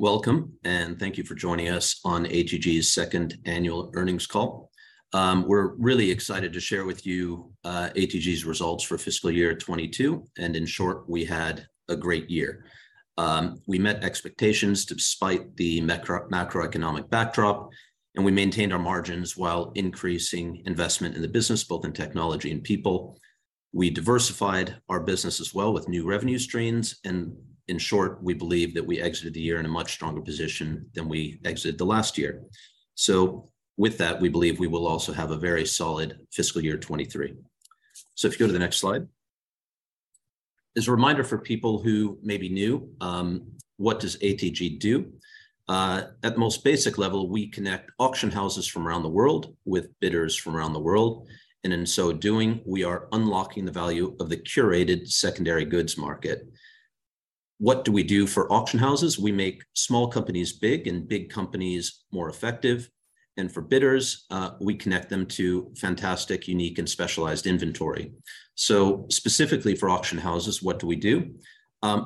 Welcome, and thank you for joining us on ATG's second annual earnings call. We're really excited to share with you ATG's results for fiscal year 2022, and in short, we had a great year. We met expectations despite the macroeconomic backdrop, and we maintained our margins while increasing investment in the business, both in technology and people. We diversified our business as well with new revenue streams, and in short, we believe that we exited the year in a much stronger position than we exited the last year. With that, we believe we will also have a very solid fiscal year 2023. If you go to the next slide. As a reminder for people who may be new, what does ATG do? At the most basic level, we connect auction houses from around the world with bidders from around the world. In so doing, we are unlocking the value of the curated secondary goods market. What do we do for auction houses? We make small companies big and big companies more effective. For bidders, we connect them to fantastic, unique, and specialized inventory. So specifically for auction houses, what do we do?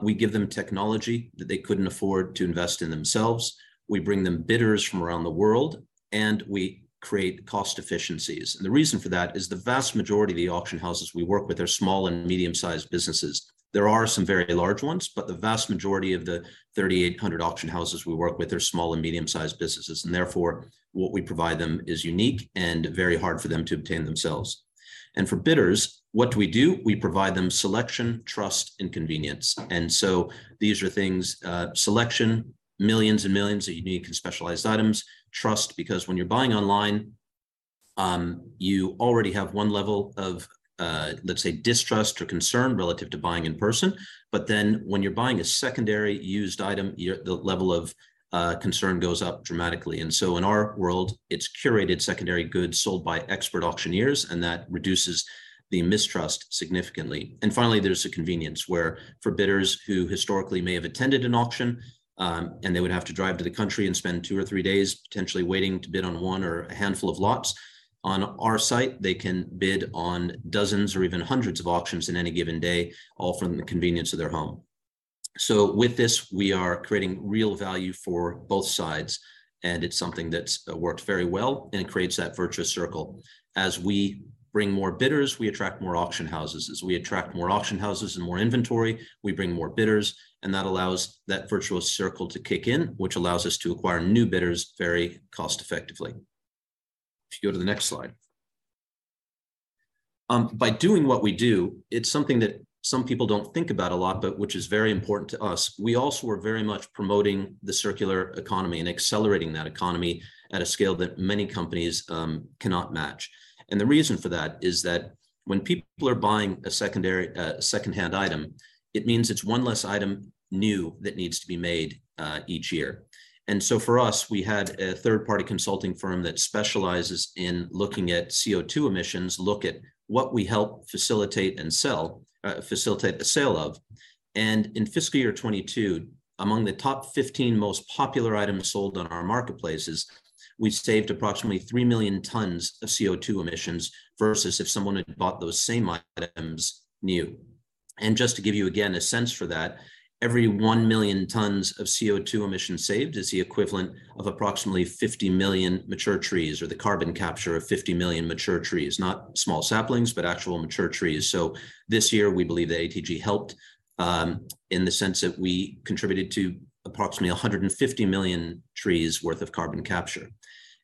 We give them technology that they couldn't afford to invest in themselves. We bring them bidders from around the world, and we create cost efficiencies. The reason for that is the vast majority of the auction houses we work with are small and medium-sized businesses. There are some very large ones. The vast majority of the 3,800 auction houses we work with are small and medium-sized businesses, therefore, what we provide them is unique and very hard for them to obtain themselves. For bidders, what do we do? We provide them selection, trust, and convenience. These are things, selection, millions and millions of unique and specialized items. Trust, because when you're buying online, you already have one level of, let's say, distrust or concern relative to buying in person. When you're buying a secondary used item, the level of concern goes up dramatically. In our world, it's curated secondary goods sold by expert auctioneers, and that reduces the mistrust significantly. Finally, there's the convenience, where for bidders who historically may have attended an auction, and they would have to drive to the country and spend two or three days potentially waiting to bid on one or a handful of lots. On our site, they can bid on dozens or even hundreds of auctions in any given day, all from the convenience of their home. With this, we are creating real value for both sides, and it's something that's worked very well, and it creates that virtuous circle. As we bring more bidders, we attract more auction houses. As we attract more auction houses and more inventory, we bring more bidders, and that allows that virtuous circle to kick in, which allows us to acquire new bidders very cost-effectively. If you go to the next slide. By doing what we do, it's something that some people don't think about a lot but which is very important to us. We also are very much promoting the circular economy and accelerating that economy at a scale that many companies cannot match. The reason for that is that when people are buying a secondhand item, it means it's one less item new that needs to be made each year. For us, we had a third-party consulting firm that specializes in looking at CO2 emissions look at what we help facilitate and facilitate the sale of. In fiscal year 2022, among the top 15 most popular items sold on our marketplaces, we saved approximately 3 million tons of CO2 emissions versus if someone had bought those same items new. Just to give you, again, a sense for that, every one million tons of CO2 emissions saved is the equivalent of approximately 50 million mature trees, or the carbon capture of 50 million mature trees. Not small saplings, but actual mature trees. This year, we believe that ATG helped, in the sense that we contributed to approximately 150 million trees worth of carbon capture.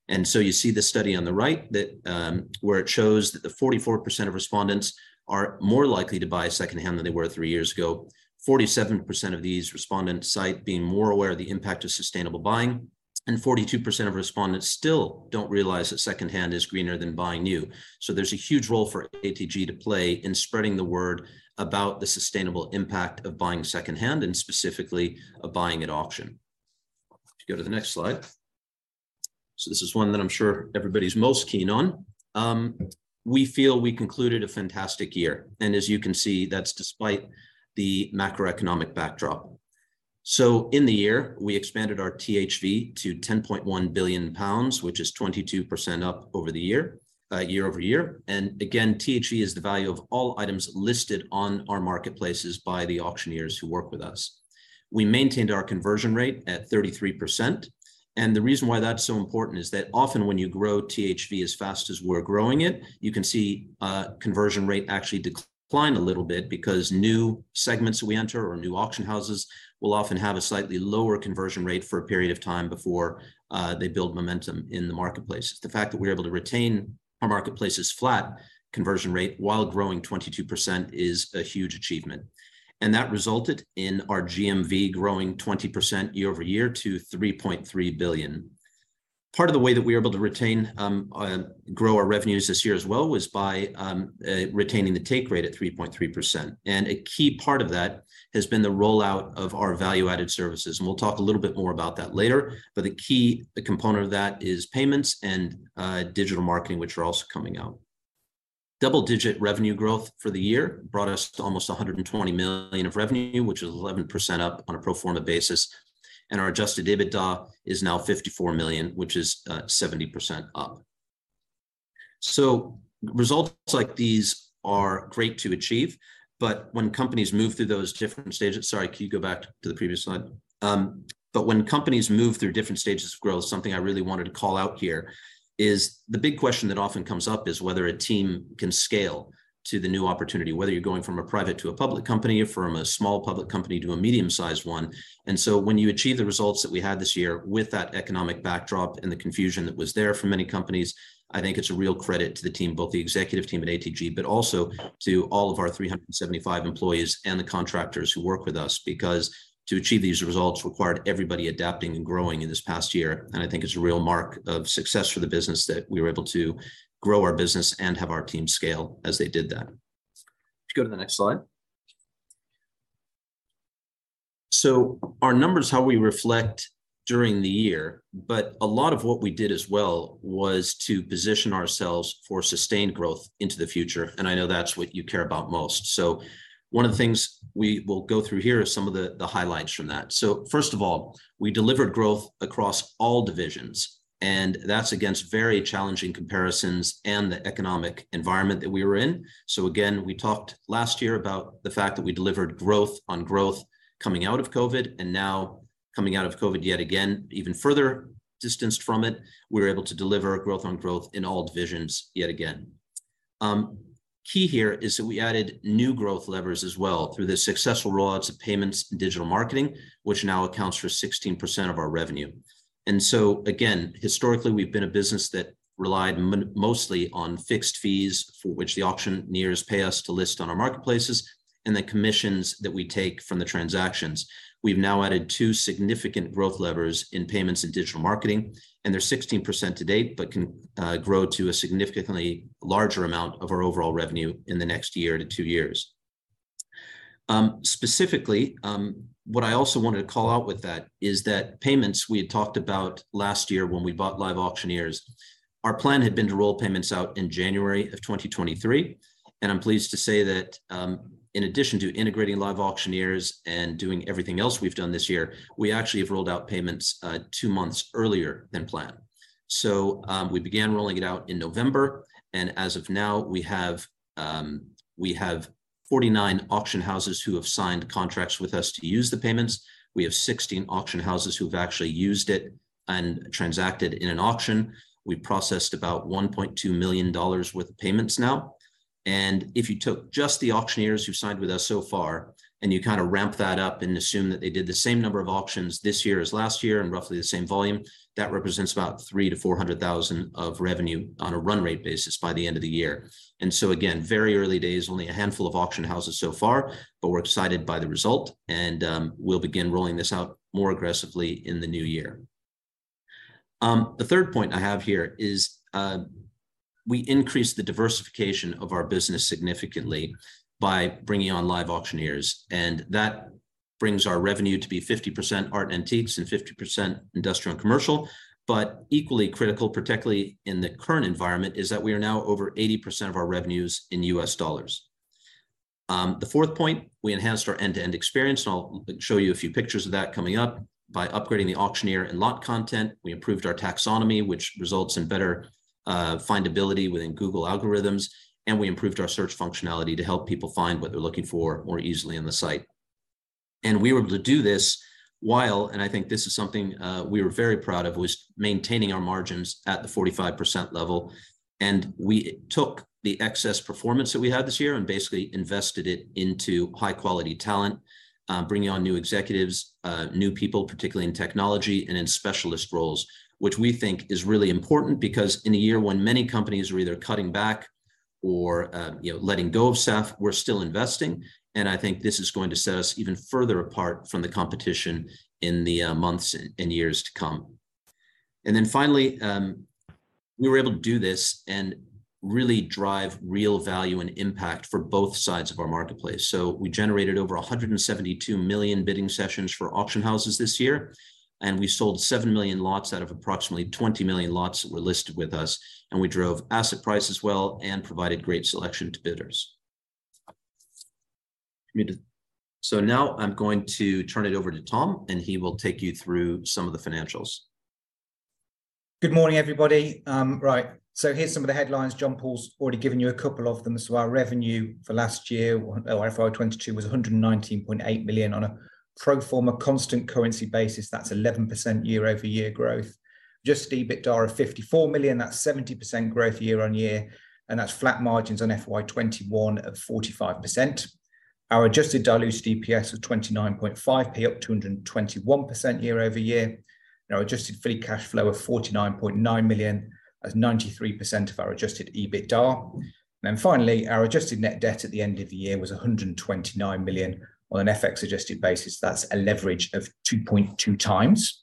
You see the study on the right that, where it shows that the 44% of respondents are more likely to buy secondhand than they were three years ago. 47% of these respondents cite being more aware of the impact of sustainable buying, and 42% of respondents still don't realize that secondhand is greener than buying new. There's a huge role for ATG to play in spreading the word about the sustainable impact of buying secondhand and specifically of buying at auction. If you go to the next slide. This is one that I'm sure everybody's most keen on. We feel we concluded a fantastic year, and as you can see, that's despite the macroeconomic backdrop. In the year, we expanded our THV to 10.1 billion pounds, which is 22% up over the year-over-year. Again, THV is the value of all items listed on our marketplaces by the auctioneers who work with us. We maintained our conversion rate at 33%. The reason why that's so important is that often when you grow THV as fast as we're growing it, you can see conversion rate actually decline a little bit because new segments we enter or new auction houses will often have a slightly lower conversion rate for a period of time before they build momentum in the marketplace. The fact that we're able to retain our marketplace's flat conversion rate while growing 22% is a huge achievement. That resulted in our GMV growing 20% year-over-year to 3.3 billion. Part of the way that we were able to retain, grow our revenues this year as well was by retaining the take rate at 3.3%. A key part of that has been the rollout of our value-added services, and we'll talk a little bit more about that later. The key component of that is payments and digital marketing, which are also coming out. Double-digit revenue growth for the year brought us to almost 120 million of revenue, which is 11% up on a pro forma basis. Our adjusted EBITDA is now 54 million, which is 70% up. Results like these are great to achieve, but when companies move through those different stages. Sorry, can you go back to the previous slide? When companies move through different stages of growth, something I really wanted to call out here is the big question that often comes up is whether a team can scale to the new opportunity, whether you're going from a private to a public company or from a small public company to a medium-sized one. When you achieve the results that we had this year with that economic backdrop and the confusion that was there for many companies, I think it's a real credit to the team, both the executive team at ATG, but also to all of our 375 employees and the contractors who work with us. To achieve these results required everybody adapting and growing in this past year, and I think it's a real mark of success for the business that we were able to grow our business and have our team scale as they did that. If you go to the next slide. Our numbers, how we reflect during the year. A lot of what we did as well was to position ourselves for sustained growth into the future, and I know that's what you care about most. One of the things we will go through here is some of the highlights from that. First of all, we delivered growth across all divisions, and that's against very challenging comparisons and the economic environment that we were in. Again, we talked last year about the fact that we delivered growth on growth coming out of COVID, and now coming out of COVID yet again, even further distanced from it, we were able to deliver growth on growth in all divisions yet again. Key here is that we added new growth levers as well through the successful roll-outs of payments and digital marketing, which now accounts for 16% of our revenue. Again, historically, we've been a business that relied mostly on fixed fees, for which the auctioneers pay us to list on our marketplaces, and the commissions that we take from the transactions. We've now added two significant growth levers in payments and digital marketing, and they're 16% to date, but can grow to a significantly larger amount of our overall revenue in the next year to two years. Specifically, what I also wanted to call out with that is that payments we had talked about last year when we bought LiveAuctioneers. Our plan had been to roll payments out in January of 2023, I'm pleased to say that, in addition to integrating LiveAuctioneers and doing everything else we've done this year, we actually have rolled out payments two months earlier than planned. We began rolling it out in November, as of now, we have 49 auction houses who have signed contracts with us to use the payments. We have 16 auction houses who've actually used it and transacted in an auction. We processed about $1.2 million worth of payments now. If you took just the auctioneers who signed with us so far, and you kind of ramp that up and assume that they did the same number of auctions this year as last year and roughly the same volume, that represents about $300,000-$400,000 of revenue on a run rate basis by the end of the year. Again, very early days, only a handful of auction houses so far, but we're excited by the result, and we'll begin rolling this out more aggressively in the new year. The third point I have here is, we increased the diversification of our business significantly by bringing on LiveAuctioneers, and that brings our revenue to be 50% art antiques and 50% industrial and commercial. Equally critical, particularly in the current environment, is that we are now over 80% of our revenues in U.S. dollars. The fourth point, we enhanced our end-to-end experience, and I'll show you a few pictures of that coming up. By upgrading the auctioneer and lot content, we improved our taxonomy, which results in better findability within Google algorithms, and we improved our search functionality to help people find what they're looking for more easily on the site. We were able to do this while, and I think this is something we were very proud of, was maintaining our margins at the 45% level. We took the excess performance that we had this year and basically invested it into high-quality talent, bringing on new executives, new people, particularly in technology and in specialist roles, which we think is really important because in a year when many companies are either cutting back or, you know, letting go of staff, we're still investing. I think this is going to set us even further apart from the competition in the months and years to come. Finally, we were able to do this and really drive real value and impact for both sides of our marketplace. We generated over 172 million bidding sessions for auction houses this year, and we sold seven million lots out of approximately 20 million lots that were listed with us, and we drove asset price as well and provided great selection to bidders. Now I'm going to turn it over to Tom, and he will take you through some of the financials. Good morning, everybody. Right. Here's some of the headlines. John-Paul's already given you a couple of them. Our revenue for last year, or FY 2022, was 119.8 million on a pro forma constant currency basis. That's 11% year-over-year growth. Adjusted EBITDA of 54 million. That's 70% growth year-on-year, and that's flat margins on FY 2021 of 45%. Our adjusted diluted EPS of 0.295, up 221% year-over-year. Our adjusted free cash flow of 49.9 million. That's 93% of our adjusted EBITDA. Finally, our adjusted net debt at the end of the year was 129 million on an FX-adjusted basis. That's a leverage of 2.2x.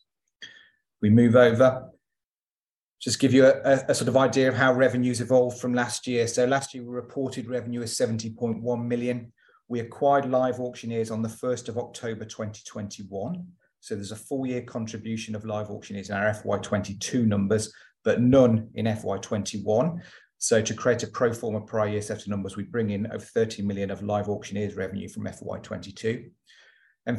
Just give you a sort of idea of how revenue's evolved from last year. Last year we reported revenue as 70.1 million. We acquired LiveAuctioneers on the 1st of October, 2021. There's a full year contribution of LiveAuctioneers in our FY 2022 numbers, but none in FY 2021. To create a pro forma prior year set of numbers, we bring in over 30 million of LiveAuctioneers revenue from FY 2022.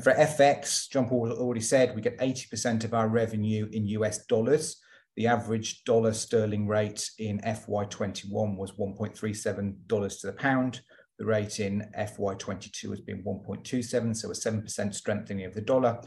For FX, John Paul has already said, we get 80% of our revenue in US dollars. The average dollar sterling rate in FY 2021 was $1.37 to the pound. The rate in FY 2022 has been $1.27. A 7% strengthening of the dollar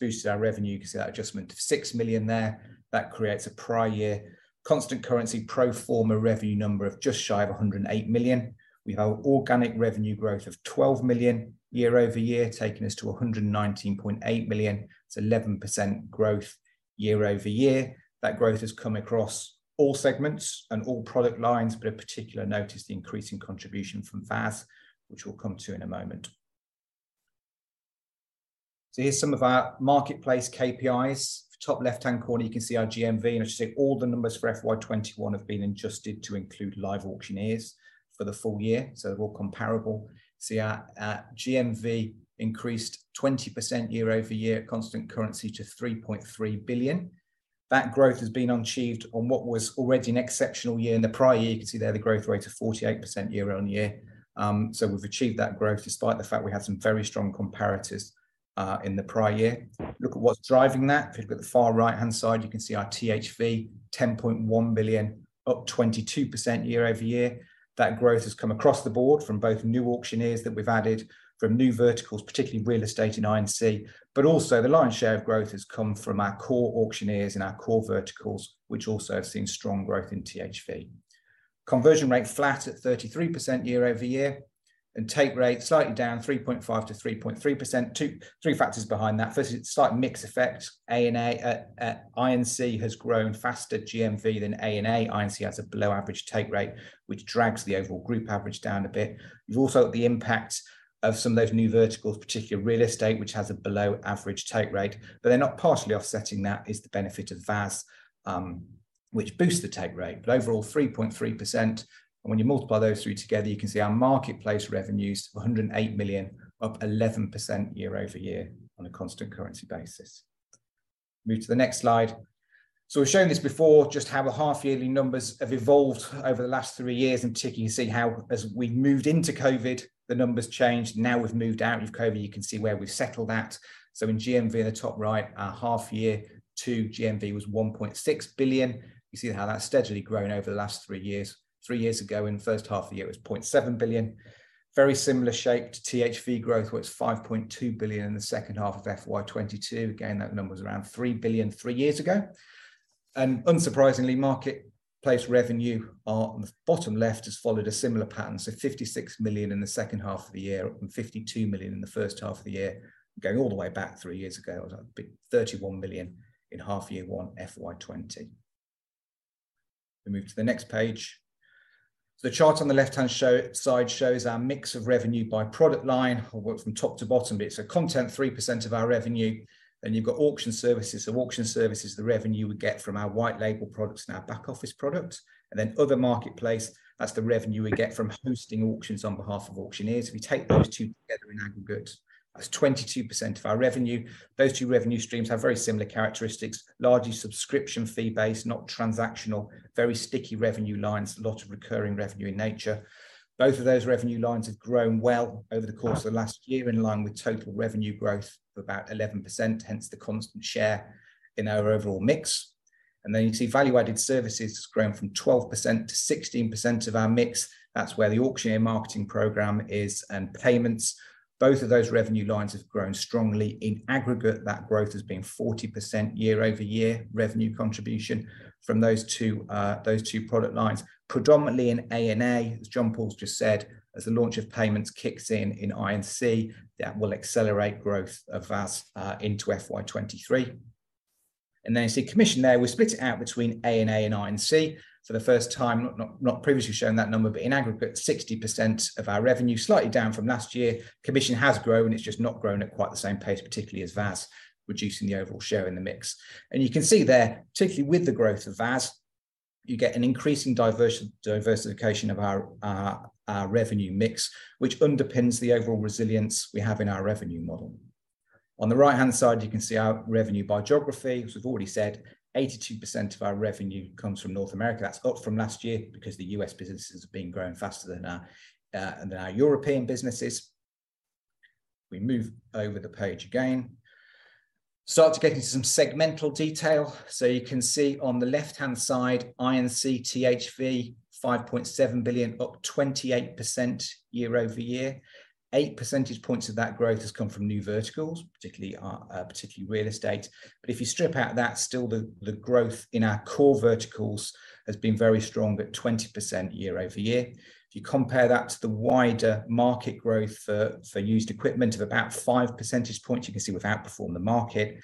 boosts our revenue. You can see that adjustment of 6 million there. That creates a prior year constant currency pro forma revenue number of just shy of 108 million. We have organic revenue growth of 12 million year-over-year, taking us to 119.8 million. That's 11% growth year-over-year. That growth has come across all segments and all product lines, but of particular note is the increasing contribution from VAS, which we'll come to in a moment. Here's some of our marketplace KPIs. Top left-hand corner, you can see our GMV. I should say all the numbers for FY 2021 have been adjusted to include LiveAuctioneers for the full year, they're all comparable. See our GMV increased 20% year-over-year at constant currency to 3.3 billion. That growth has been achieved on what was already an exceptional year in the prior year. You can see there the growth rate of 48% year-on-year. We've achieved that growth despite the fact we had some very strong comparatives in the prior year. Look at what's driving that. If you look at the far right-hand side, you can see our THV, 10.1 billion, up 22% year-over-year. That growth has come across the board from both new auctioneers that we've added, from new verticals, particularly real estate and INC, but also the lion's share of growth has come from our core auctioneers and our core verticals, which also have seen strong growth in THV. Conversion rate flat at 33% year-over-year, and take rate slightly down, 3.5%-3.3%. Three factors behind that. Firstly, it's a slight mix effect. A&A INC has grown faster GMV than A&A. INC has a below average take rate, which drags the overall group average down a bit. You've also got the impact of some of those new verticals, particularly real estate, which has a below average take rate. Partly offsetting that is the benefit of VAS, which boosts the take rate, but overall 3.3%. When you multiply those three together, you can see our marketplace revenues of 108 million, up 11% year-over-year on a constant currency basis. Move to the next slide. We've shown this before, just how the half-yearly numbers have evolved over the last three years. In particular, you can see how as we moved into COVID, the numbers changed. Now we've moved out of COVID, you can see where we've settled at. In GMV in the top right, our half year two GMV was 1.6 billion. You can see how that's steadily grown over the last three years. Three years ago in the first half of the year it was 0.7 billion. Very similar shape to THV growth, where it's 5.2 billion in the second half of FY 2022. Again, that number was around 3 billion three years ago. Unsurprisingly, marketplace revenue are on the bottom left has followed a similar pattern, 56 million in the second half of the year and 52 million in the first half of the year. Going all the way back three years ago, it was 31 million in half year one FY 2020. We move to the next page. The chart on the left-hand side shows our mix of revenue by product line. I'll work from top to bottom. It's our content, 3% of our revenue. You've got auction services. Auction services, the revenue we get from our white label products and our back office products. Other marketplace, that's the revenue we get from hosting auctions on behalf of auctioneers. If we take those two together in aggregate, that's 22% of our revenue. Those two revenue streams have very similar characteristics. Largely subscription fee based, not transactional. Very sticky revenue lines, a lot of recurring revenue in nature. Both of those revenue lines have grown well over the course of last year, in line with total revenue growth of about 11%, hence the constant share in our overall mix. You can see value-added services has grown from 12%-16% of our mix. That's where the Auctioneer Marketing Program is and payments. Both of those revenue lines have grown strongly. In aggregate, that growth has been 40% year-over-year revenue contribution from those two product lines. Predominantly in A&A, as John-Paul's just said, as the launch of payments kicks in in INC, that will accelerate growth of VAS into FY 2023. You see commission there. We've split it out between A&A and INC for the first time. Not previously shown that number, but in aggregate, 60% of our revenue, slightly down from last year. Commission has grown, it's just not grown at quite the same pace, particularly as VAS, reducing the overall share in the mix. You can see there, particularly with the growth of VAS, you get an increasing diversification of our revenue mix, which underpins the overall resilience we have in our revenue model. On the right-hand side, you can see our revenue by geography, which we've already said 82% of our revenue comes from North America. That's up from last year because the U.S. businesses have been growing faster than our European businesses. If we move over the page again. Start to get into some segmental detail. You can see on the left-hand side, INC THV, 5.7 billion, up 28% year-over-year. Eight percentage points of that growth has come from new verticals, particularly our particularly real estate. If you strip out that, still the growth in our core verticals has been very strong, about 20% year-over-year. If you compare that to the wider market growth for used equipment of about 5 percentage points, you can see we've outperformed the market.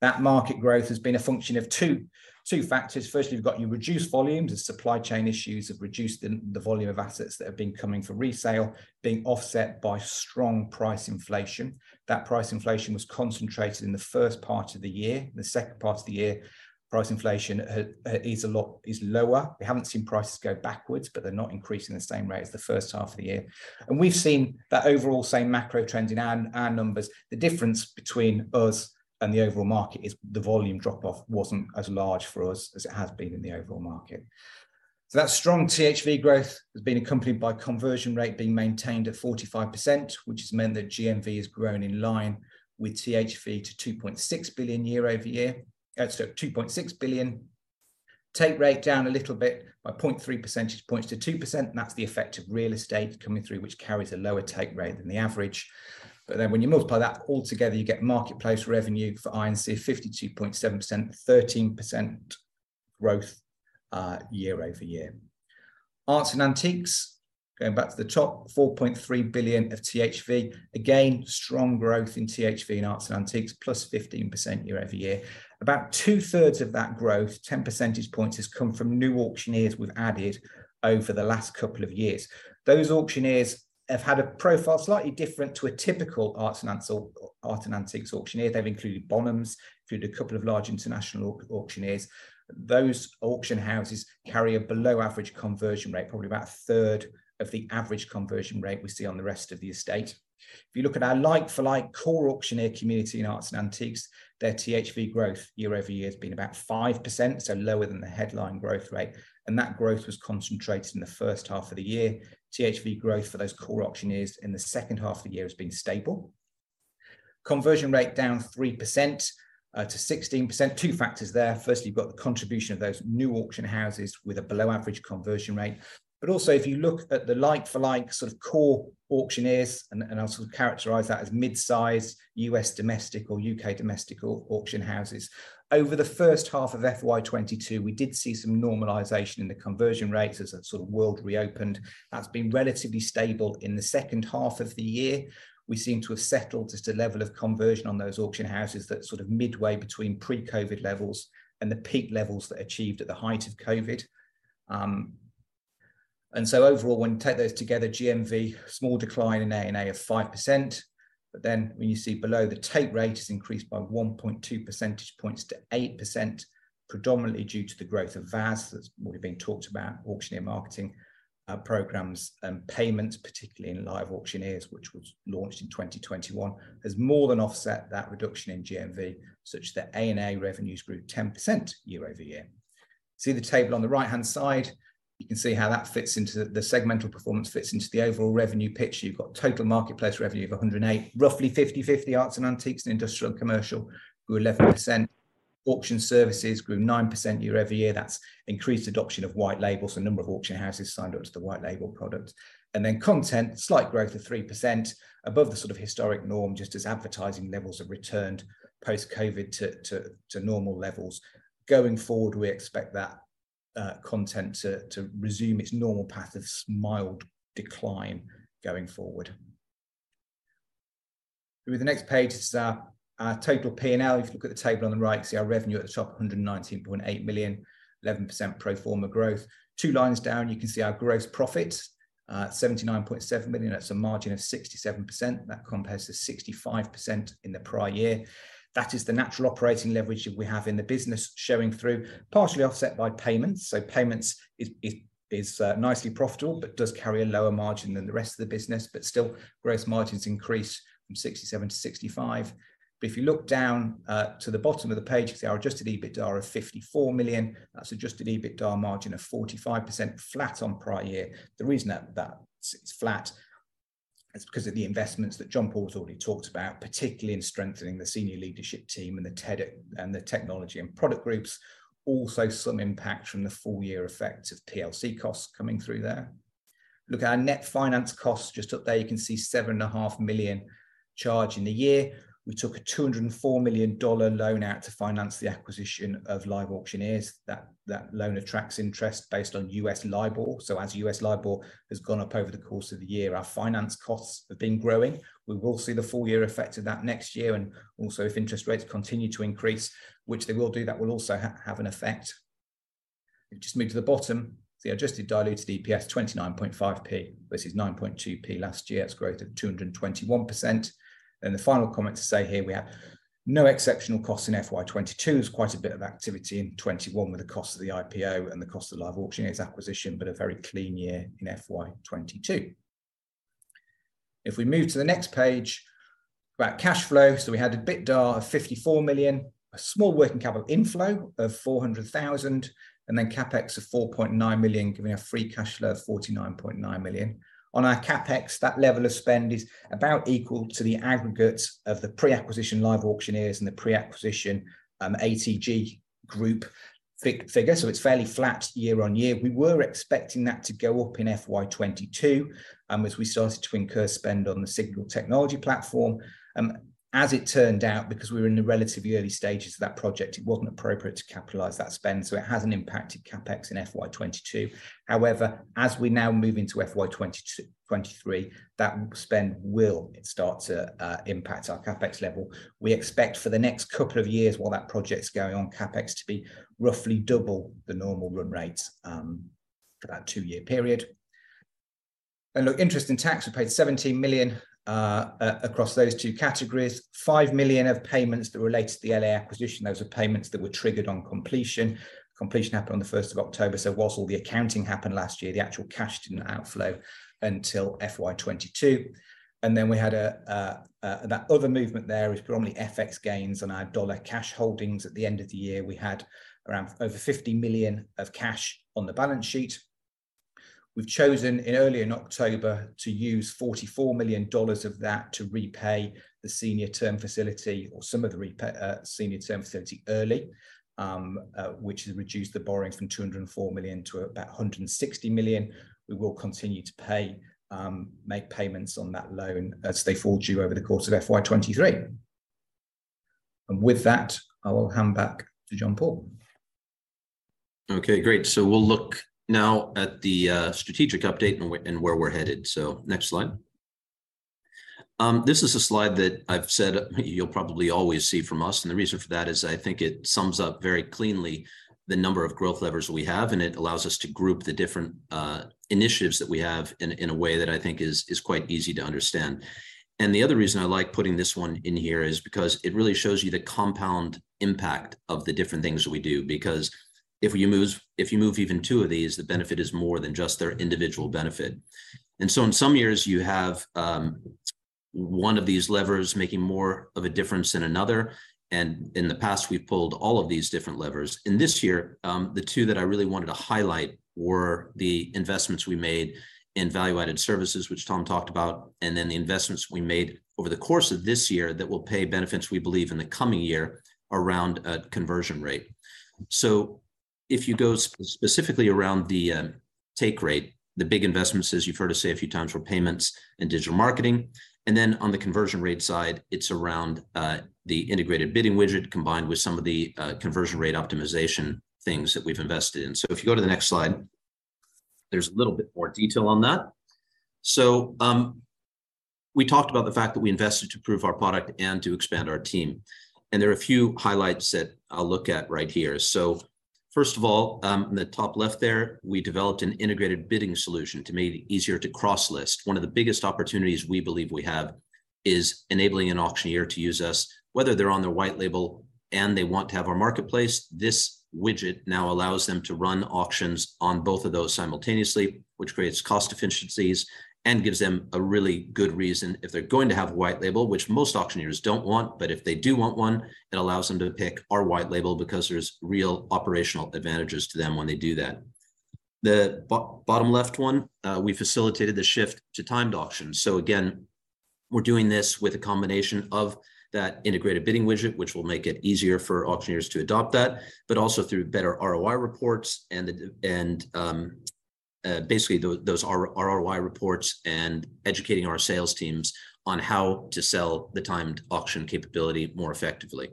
That market growth has been a function of two factors. Firstly, you've got your reduced volumes as supply chain issues have reduced the volume of assets that have been coming for resale, being offset by strong price inflation. That price inflation was concentrated in the first part of the year. In the second part of the year, price inflation is a lot lower. We haven't seen prices go backwards, but they're not increasing the same rate as the first half of the year. We've seen that overall same macro trend in our numbers. The difference between us and the overall market is the volume drop-off wasn't as large for us as it has been in the overall market. That strong THV growth has been accompanied by conversion rate being maintained at 45%, which has meant that GMV has grown in line with THV to 2.6 billion year-over-year. 2.6 billion. Take rate down a little bit by 0.3 percentage points to 2%, that's the effect of real estate coming through, which carries a lower take rate than the average. When you multiply that all together, you get marketplace revenue for INC of 52.7%, 13% growth year-over-year. Arts and antiques, going back to the top, 4.3 billion of THV. Strong growth in THV in arts and antiques, plus 15% year-over-year. About two-thirds of that growth, 10 percentage points, has come from new auctioneers we've added over the last couple of years. Those auctioneers have had a profile slightly different to a typical art and antiques auctioneer. They've included Bonhams, included a couple of large international auctioneers. Those auction houses carry a below-average conversion rate, probably about a third of the average conversion rate we see on the rest of the estate. If you look at our like-for-like core auctioneer community in arts and antiques, their THV growth year-over-year has been about 5%, lower than the headline growth rate. That growth was concentrated in the first half of the year. THV growth for those core auctioneers in the second half of the year has been stable. Conversion rate down 3%-16%. Two factors there. Firstly, you've got the contribution of those new auction houses with a below-average conversion rate. Also if you look at the like-for-like sort of core auctioneers, and I'll sort of characterize that as midsize U.S. domestic or U.K. domestic auction houses. Over the first half of FY 2022, we did see some normalization in the conversion rate as the sort of world reopened. That's been relatively stable in the second half of the year. We seem to have settled at a level of conversion on those auction houses that's sort of midway between pre-COVID levels and the peak levels they achieved at the height of COVID. Overall, when you take those together, GMV, small decline in A&A of 5%. When you see below, the take rate has increased by 1.2 percentage points to 8%, predominantly due to the growth of VAS that's already been talked about, auctioneer marketing programs and payments, particularly in LiveAuctioneers, which was launched in 2021. Has more than offset that reduction in GMV, such that A&A revenues grew 10% year-over-year. See the table on the right-hand side, you can see how the segmental performance fits into the overall revenue picture. You've got total marketplace revenue of 108. Roughly 50/50, arts and antiques and industrial and commercial, grew 11%. Auction services grew 9% year-over-year. That's increased adoption of white labels, the number of auction houses signed up to the white label product. Content, slight growth of 3% above the sort of historic norm just as advertising levels have returned post-COVID to normal levels. Going forward, we expect that content to resume its normal path of mild decline going forward. Through the next page is our total P&L. If you look at the table on the right, you can see our revenue at the top, 119.8 million, 11% pro forma growth. Two lines down, you can see our gross profit, 79.7 million. That's a margin of 67%. That compares to 65% in the prior year. That is the natural operating leverage that we have in the business showing through, partially offset by payments. Payments is nicely profitable but does carry a lower margin than the rest of the business. Gross margins increase from 67-65. If you look down to the bottom of the page, you can see our adjusted EBITDA of 54 million. That's adjusted EBITDA margin of 45%, flat on prior year. The reason that's flat is because of the investments that John-Paul's already talked about, particularly in strengthening the senior leadership team and the technology and product groups. Also some impact from the full-year effect of PLC costs coming through there. Look at our net finance costs just up there. You can see 7.5 million charge in the year. We took a $204 million loan out to finance the acquisition of LiveAuctioneers. That loan attracts interest based on U.S. LIBOR. As US LIBOR has gone up over the course of the year, our finance costs have been growing. We will see the full-year effect of that next year and also if interest rates continue to increase, which they will do, that will also have an effect. If you just move to the bottom, see adjusted diluted EPS, 29.5p. This is 9.2p last year. It's growth of 221%. The final comment to say here, we have no exceptional costs in FY 2022. There was quite a bit of activity in FY 2021 with the cost of the IPO and the cost of LiveAuctioneers acquisition, but a very clean year in FY 2022. If we move to the next page about cash flow. We had EBITDA of 54 million, a small working capital inflow of 400,000, and then CapEx of 4.9 million, giving a free cash flow of 49.9 million. On our CapEx, that level of spend is about equal to the aggregate of the pre-acquisition LiveAuctioneers and the pre-acquisition ATG group figure. It's fairly flat year-on-year. We were expecting that to go up in FY 2022 as we started to incur spend on the Signal technology platform. As it turned out, because we were in the relatively early stages of that project, it wasn't appropriate to capitalize that spend. It hasn't impacted CapEx in FY 2022. However, as we now move into FY 2022... 2023, that spend will start to impact our CapEx level. We expect for the next couple of years while that project's going on CapEx to be roughly double the normal run rates for that two-year period. Look, interest and tax, we paid $17 million across those two categories. $5 million of payments that relate to the L.A. acquisition. Those are payments that were triggered on completion. Completion happened on the first of October, so whilst all the accounting happened last year, the actual cash didn't outflow until FY 2022. Then that other movement there is predominantly FX gains on our dollar cash holdings. At the end of the year, we had around over $50 million of cash on the balance sheet. We've chosen in early in October to use $44 million of that to repay the senior term facility or some of the repay senior term facility early, which has reduced the borrowing from $204 million to about $160 million. We will continue to pay make payments on that loan as they fall due over the course of FY 2023. With that, I will hand back to John-Paul. Okay, great. We'll look now at the strategic update and where we're headed. Next slide. This is a slide that I've said you'll probably always see from us, and the reason for that is I think it sums up very cleanly the number of growth levers we have, and it allows us to group the different initiatives that we have in a way that I think is quite easy to understand. The other reason I like putting this one in here is because it really shows you the compound impact of the different things that we do because if you move even two of these, the benefit is more than just their individual benefit. In some years, you have one of these levers making more of a difference than another, and in the past, we've pulled all of these different levers. In this year, the two that I really wanted to highlight were the investments we made in value-added services, which Tom talked about, and then the investments we made over the course of this year that will pay benefits we believe in the coming year around conversion rate. If you go specifically around the take rate, the big investments, as you've heard us say a few times, were payments and digital marketing. Then on the conversion rate side, it's around the integrated bidding widget combined with some of the conversion rate optimization things that we've invested in. If you go to the next slide, there's a little bit more detail on that. We talked about the fact that we invested to improve our product and to expand our team, and there are a few highlights that I'll look at right here. First of all, in the top left there, we developed an integrated bidding solution to make it easier to cross-list. One of the biggest opportunities we believe we have is enabling an auctioneer to use us, whether they're on their white label and they want to have our marketplace. This widget now allows them to run auctions on both of those simultaneously, which creates cost efficiencies and gives them a really good reason if they're going to have a white label, which most auctioneers don't want. If they do want one, it allows them to pick our white label because there's real operational advantages to them when they do that. The bottom left one, we facilitated the shift to timed auctions. Again, we're doing this with a combination of that integrated bidding widget, which will make it easier for auctioneers to adopt that, but also through better ROI reports and basically those ROI reports and educating our sales teams on how to sell the timed auction capability more effectively.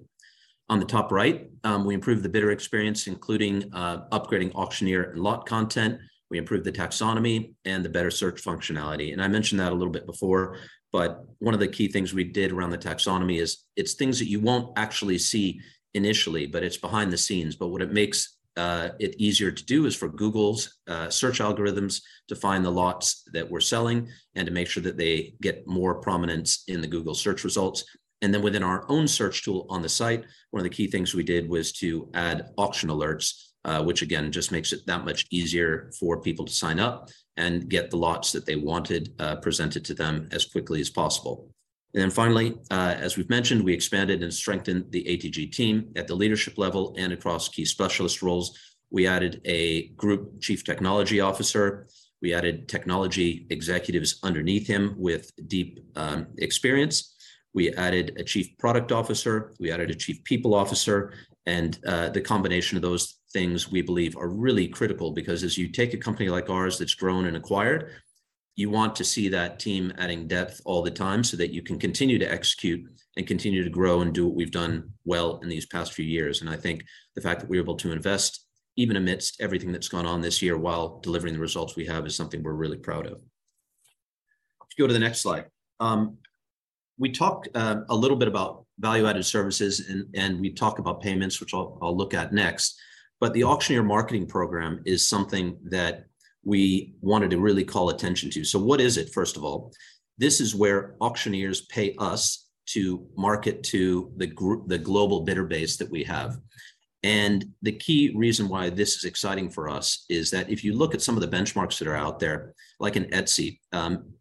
On the top right, we improved the bidder experience, including upgrading auctioneer and lot content. We improved the taxonomy and the better search functionality. I mentioned that a little bit before, but one of the key things we did around the taxonomy is it's things that you won't actually see initially, but it's behind the scenes. What it makes it easier to do is for Google's search algorithms to find the lots that we're selling and to make sure that they get more prominence in the Google Search results. Within our own search tool on the site, one of the key things we did was to add Auction Alerts, which again just makes it that much easier for people to sign up and get the lots that they wanted presented to them as quickly as possible. Finally, as we've mentioned, we expanded and strengthened the ATG team at the leadership level and across key specialist roles. We added a group chief technology officer. We added technology executives underneath him with deep experience. We added a chief product officer. We added a chief people officer. The combination of those things we believe are really critical because as you take a company like ours that's grown and acquired, you want to see that team adding depth all the time so that you can continue to execute and continue to grow and do what we've done well in these past few years. I think the fact that we're able to invest even amidst everything that's gone on this year while delivering the results we have is something we're really proud of. If you go to the next slide. We talked a little bit about value-added services and we talked about payments, which I'll look at next. The Auctioneer Marketing Program is something that we wanted to really call attention to. What is it, first of all? This is where auctioneers pay us to market to the group-- the global bidder base that we have. The key reason why this is exciting for us is that if you look at some of the benchmarks that are out there, like in Etsy,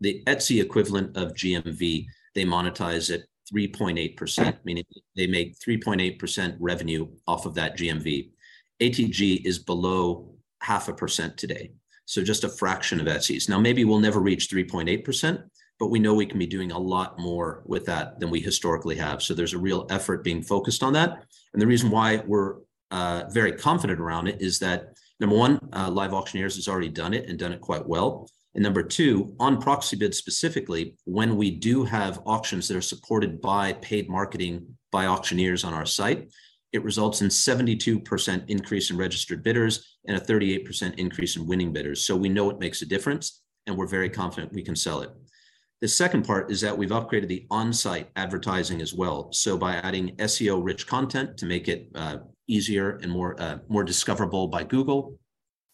the Etsy equivalent of GMV, they monetize at 3.8%, meaning they make 3.8% revenue off of that GMV. ATG is below half a percent today, so just a fraction of Etsy's. Now, maybe we'll never reach 3.8%, but we know we can be doing a lot more with that than we historically have. There's a real effort being focused on that. The reason why we're very confident around it is that, number one, LiveAuctioneers has already done it and done it quite well. Number two, on Proxibid specifically, when we do have auctions that are supported by paid marketing by auctioneers on our site, it results in a 72% increase in registered bidders and a 38% increase in winning bidders. We know it makes a difference, and we're very confident we can sell it. The second part is that we've upgraded the onsite advertising as well. By adding SEO-rich content to make it easier and more discoverable by Google,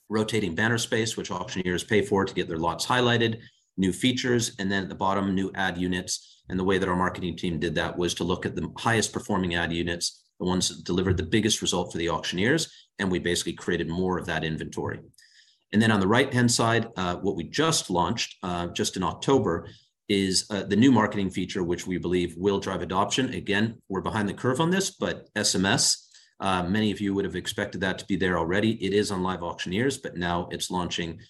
rotating banner space which auctioneers pay for to get their lots highlighted, new features, and then at the bottom, new ad units. The way that our marketing team did that was to look at the highest-performing ad units, the ones that delivered the biggest result for the auctioneers, and we basically created more of that inventory. On the right-hand side, what we just launched just in October is the new marketing feature, which we believe will drive adoption. Again, we're behind the curve on this, but SMS, many of you would've expected that to be there already. It is on LiveAuctioneers, but now it's launching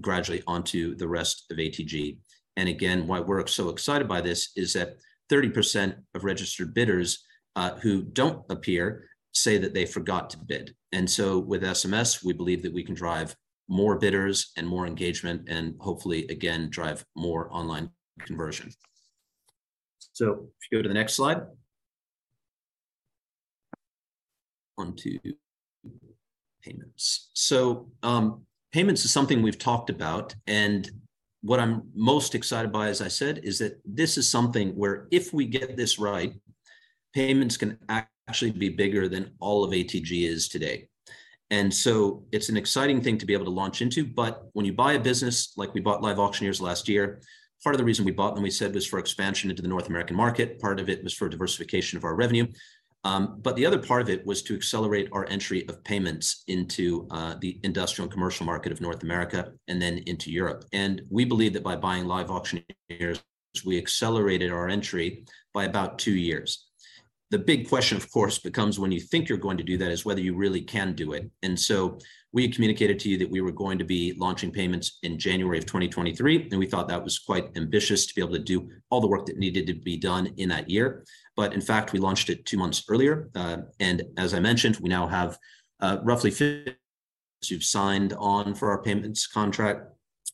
gradually onto the rest of ATG. Again, why we're so excited by this is that 30% of registered bidders who don't appear say that they forgot to bid. With SMS, we believe that we can drive more bidders and more engagement and hopefully, again, drive more online conversion. If you go to the next slide. On to payments. Payments is something we've talked about, and what I'm most excited by, as I said, is that this is something where if we get this right, payments can actually be bigger than all of ATG is today. It's an exciting thing to be able to launch into. When you buy a business, like we bought LiveAuctioneers last year, part of the reason we bought them, we said, was for expansion into the North American market. Part of it was for diversification of our revenue. But the other part of it was to accelerate our entry of payments into the industrial and commercial market of North America and then into Europe. We believe that by buying LiveAuctioneers, we accelerated our entry by about two years. The big question, of course, becomes when you think you're going to do that, is whether you really can do it. We communicated to you that we were going to be launching payments in January of 2023, and we thought that was quite ambitious to be able to do all the work that needed to be done in that year. In fact, we launched it two months earlier. As I mentioned, we now have, roughly 50 who've signed on for our payments contract.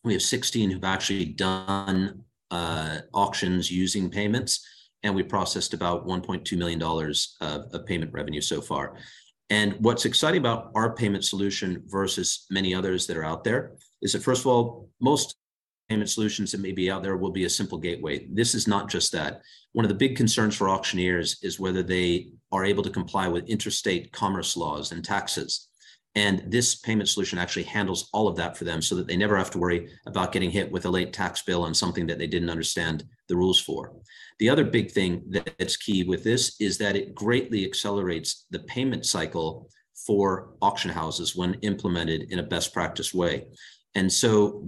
We have 16 who've actually done auctions using payments, and we processed about $1.2 million of payment revenue so far. What's exciting about our payment solution versus many others that are out there is that, first of all, most payment solutions that may be out there will be a simple gateway. This is not just that. One of the big concerns for auctioneers is whether they are able to comply with interstate commerce laws and taxes, and this payment solution actually handles all of that for them so that they never have to worry about getting hit with a late tax bill on something that they didn't understand the rules for. The other big thing that is key with this is that it greatly accelerates the payment cycle for auction houses when implemented in a best practice way.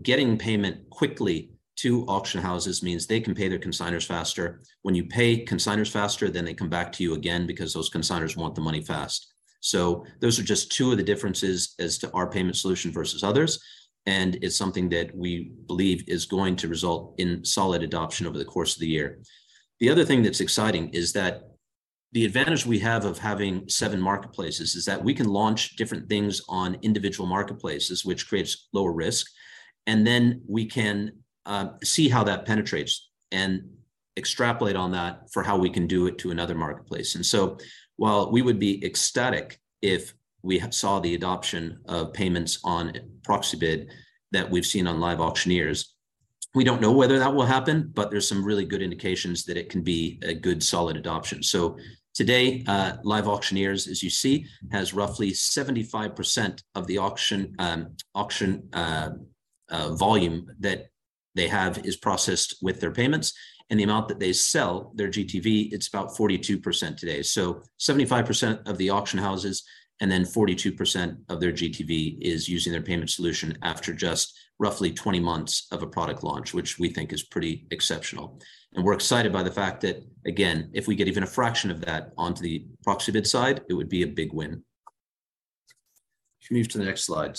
Getting payment quickly to auction houses means they can pay their consigners faster. When you pay consigners faster, then they come back to you again because those consigners want the money fast. Those are just two of the differences as to our payment solution versus others, and it's something that we believe is going to result in solid adoption over the course of the year. The other thing that's exciting is that the advantage we have of having seven marketplaces is that we can launch different things on individual marketplaces, which creates lower risk, and then we can see how that penetrates and extrapolate on that for how we can do it to another marketplace. While we would be ecstatic if we saw the adoption of payments on Proxibid that we've seen on LiveAuctioneers, we don't know whether that will happen, but there's some really good indications that it can be a good solid adoption. Today, LiveAuctioneers, as you see, has roughly 75% of the auction volume that they have is processed with their payments. The amount that they sell, their GTV, it's about 42% today. 75% of the auction houses and then 42% of their GTV is using their payment solution after just roughly 20 months of a product launch, which we think is pretty exceptional. We're excited by the fact that, again, if we get even a fraction of that onto the Proxibid side, it would be a big win. If you move to the next slide.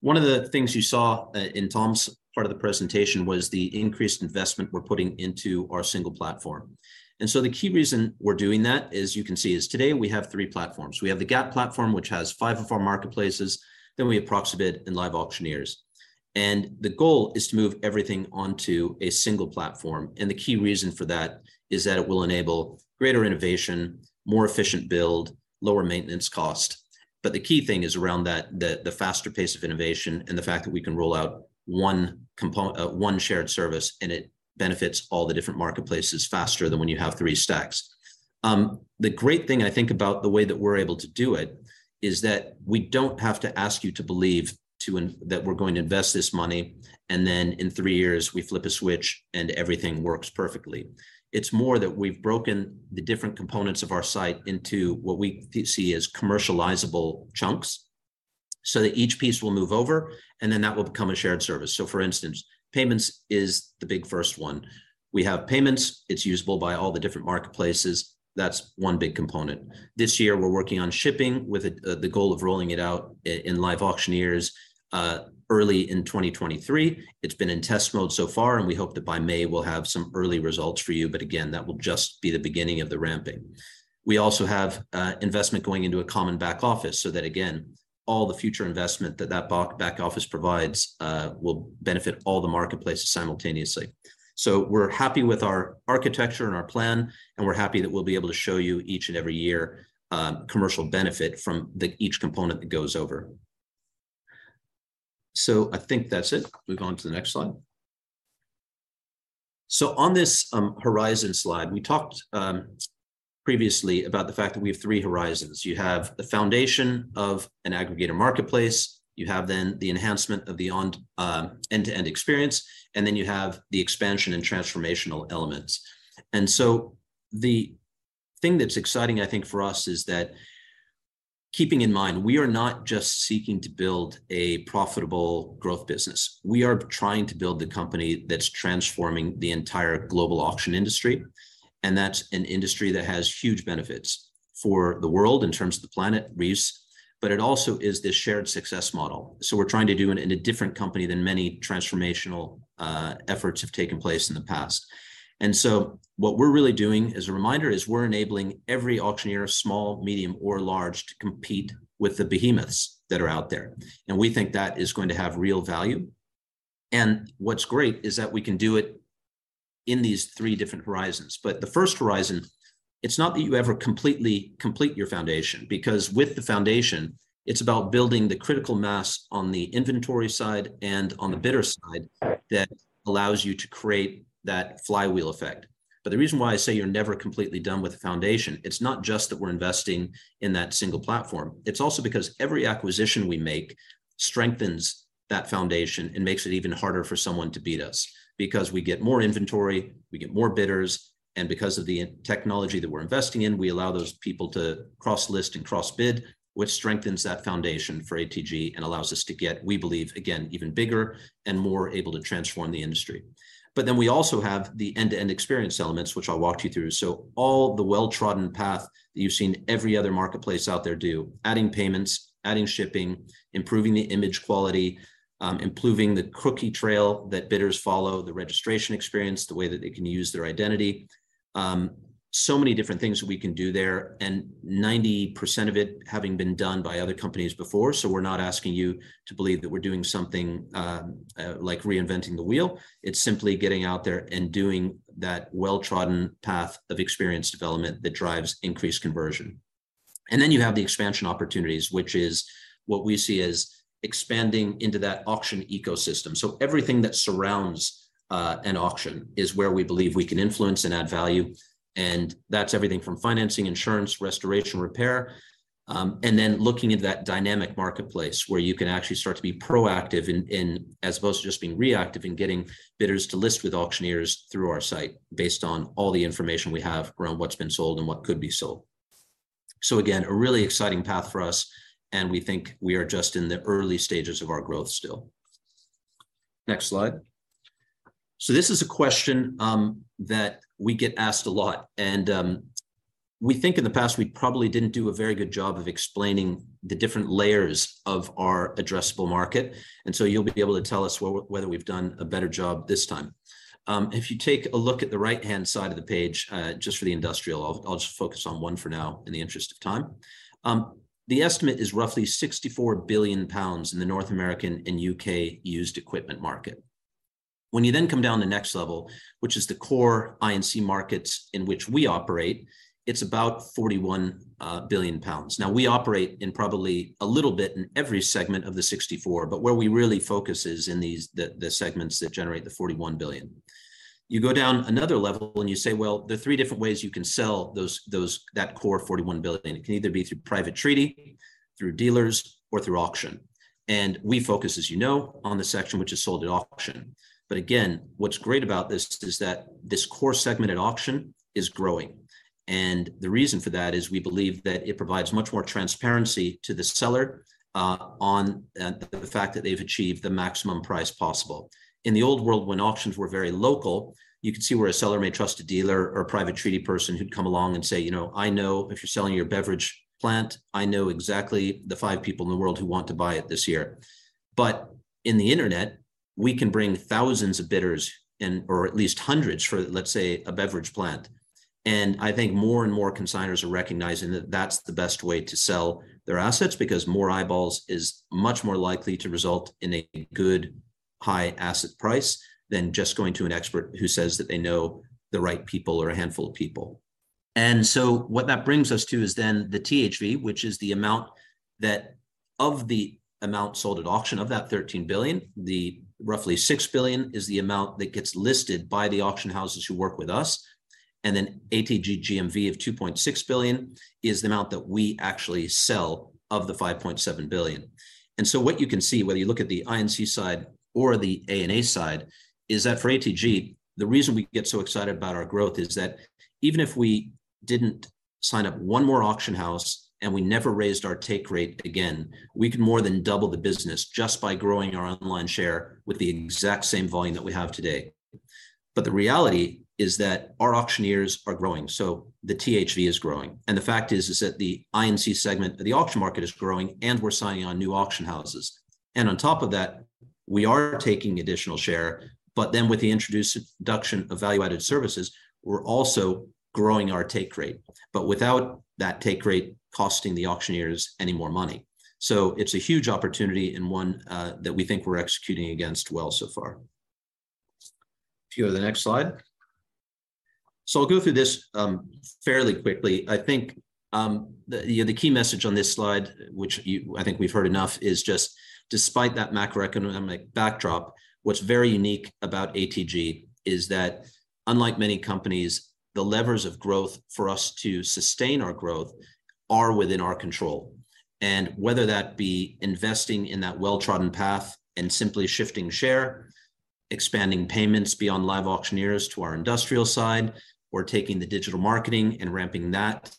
One of the things you saw in Tom's part of the presentation was the increased investment we're putting into our single platform. The key reason we're doing that is, you can see, is today we have three platforms. We have the GAP platform, which has five of our marketplaces, then we have Proxibid and LiveAuctioneers. The goal is to move everything onto a single platform, and the key reason for that is that it will enable greater innovation, more efficient build, lower maintenance cost. The key thing is around that, the faster pace of innovation and the fact that we can roll out one shared service. It benefits all the different marketplaces faster than when you have three stacks. The great thing I think about the way that we're able to do it is that we don't have to ask you to believe that we're going to invest this money, and then in three years we flip a switch and everything works perfectly. It's more that we've broken the different components of our site into what we see as commercializable chunks so that each piece will move over, and then that will become a shared service. For instance, payments is the big first one. We have payments. It's usable by all the different marketplaces. That's one big component. This year we're working on shipping with the goal of rolling it out in LiveAuctioneers early in 2023. It's been in test mode so far, and we hope that by May we'll have some early results for you. Again, that will just be the beginning of the ramping. We also have investment going into a common back office so that, again, all the future investment that back office provides will benefit all the marketplaces simultaneously. We're happy with our architecture and our plan, and we're happy that we'll be able to show you each and every year, commercial benefit from the each component that goes over. I think that's it. Move on to the next slide. On this horizon slide, we talked previously about the fact that we have three horizons. You have the foundation of an aggregator marketplace, you have then the enhancement of the end-to-end experience, and then you have the expansion and transformational elements. The thing that's exciting, I think, for us, is that. Keeping in mind, we are not just seeking to build a profitable growth business. We are trying to build the company that's transforming the entire global auction industry, that's an industry that has huge benefits for the world in terms of the planet, reefs, but it also is this shared success model. We're trying to do it in a different company than many transformational efforts have taken place in the past. What we're really doing, as a reminder, is we're enabling every auctioneer, small, medium, or large, to compete with the behemoths that are out there. We think that is going to have real value. What's great is that we can do it in these three different horizons. The first horizon, it's not that you ever completely complete your foundation, because with the foundation, it's about building the critical mass on the inventory side and on the bidder side that allows you to create that flywheel effect. The reason why I say you're never completely done with the foundation, it's not just that we're investing in that single platform. It's also because every acquisition we make strengthens that foundation and makes it even harder for someone to beat us. We get more inventory, we get more bidders, and because of the technology that we're investing in, we allow those people to cross-list and cross-bid, which strengthens that foundation for ATG and allows us to get, we believe, again, even bigger and more able to transform the industry. We also have the end-to-end experience elements, which I'll walk you through. All the well-trodden path that you've seen every other marketplace out there do, adding payments, adding shipping, improving the image quality, improving the cookie trail that bidders follow, the registration experience, the way that they can use their identity. Many different things we can do there, and 90% of it having been done by other companies before. We're not asking you to believe that we're doing something like reinventing the wheel. It's simply getting out there and doing that well-trodden path of experience development that drives increased conversion. Then you have the expansion opportunities, which is what we see as expanding into that auction ecosystem. Everything that surrounds an auction is where we believe we can influence and add value. That's everything from financing, insurance, restoration, repair, and then looking at that dynamic marketplace where you can actually start to be proactive in as opposed to just being reactive and getting bidders to list with auctioneers through our site based on all the information we have around what's been sold and what could be sold. Again, a really exciting path for us, and we think we are just in the early stages of our growth still. Next slide. This is a question that we get asked a lot. We think in the past, we probably didn't do a very good job of explaining the different layers of our addressable market. You'll be able to tell us whether we've done a better job this time. If you take a look at the right-hand side of the page, just for the industrial, I'll just focus on one for now in the interest of time. The estimate is roughly 64 billion pounds in the North American and UK used equipment market. You then come down the next level, which is the core INC markets in which we operate, it's about 41 billion pounds. We operate in probably a little bit in every segment of the 64 billion, but where we really focus is in these the segments that generate the 41 billion. You go down another level, you say, there are three different ways you can sell those that core 41 billion. It can either be through private treaty, through dealers, or through auction. We focus, as you know, on the section which is sold at auction. Again, what's great about this is that this core segment at auction is growing. The reason for that is we believe that it provides much more transparency to the seller, on the fact that they've achieved the maximum price possible. In the old world, when auctions were very local, you could see where a seller may trust a dealer or a private treaty person who'd come along and say, "You know, I know if you're selling your beverage plant, I know exactly the five people in the world who want to buy it this year." In the internet, we can bring thousands of bidders in, or at least hundreds for, let's say, a beverage plant. I think more and more consignors are recognizing that that's the best way to sell their assets because more eyeballs is much more likely to result in a good high asset price than just going to an expert who says that they know the right people or a handful of people. What that brings us to is the THV, which is the amount that of the amount sold at auction of that 13 billion, the roughly 6 billion is the amount that gets listed by the auction houses who work with us. ATG GMV of $2.6 billion is the amount that we actually sell of the 5.7 billion. What you can see, whether you look at the INC side or the ANA side, is that for ATG, the reason we get so excited about our growth is that even if we didn't sign up one more auction house and we never raised our take rate again, we could more than double the business just by growing our online share with the exact same volume that we have today. The reality is that our auctioneers are growing, so the THV is growing. The fact is that the INC segment of the auction market is growing, and we're signing on new auction houses. On top of that, we are taking additional share. With the introduction of value-added services, we're also growing our take rate. Without that take rate costing the auctioneers any more money. It's a huge opportunity and one that we think we're executing against well so far. If you go to the next slide. I'll go through this fairly quickly. I think, you know, the key message on this slide, which I think we've heard enough, is just despite that macroeconomic backdrop, what's very unique about ATG is that unlike many companies, the levers of growth for us to sustain our growth are within our control. Whether that be investing in that well-trodden path and simply shifting shareExpanding payments beyond LiveAuctioneers to our industrial side, we're taking the digital marketing and ramping that.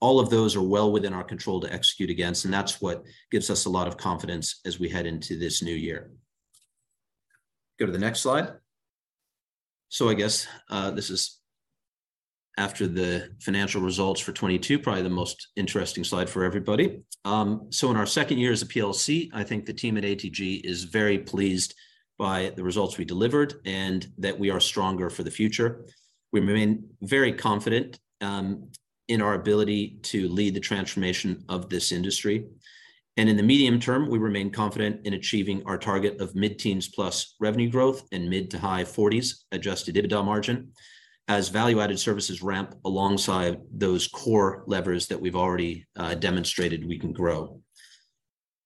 All of those are well within our control to execute against, and that's what gives us a lot of confidence as we head into this new year. Go to the next slide. I guess, this is after the financial results for 2022, probably the most interesting slide for everybody. In our second year as a PLC, I think the team at ATG is very pleased by the results we delivered and that we are stronger for the future. We remain very confident in our ability to lead the transformation of this industry. In the medium term, we remain confident in achieving our target of mid-teens plus revenue growth and mid to high forties adjusted EBITDA margin as value-added services ramp alongside those core levers that we've already demonstrated we can grow.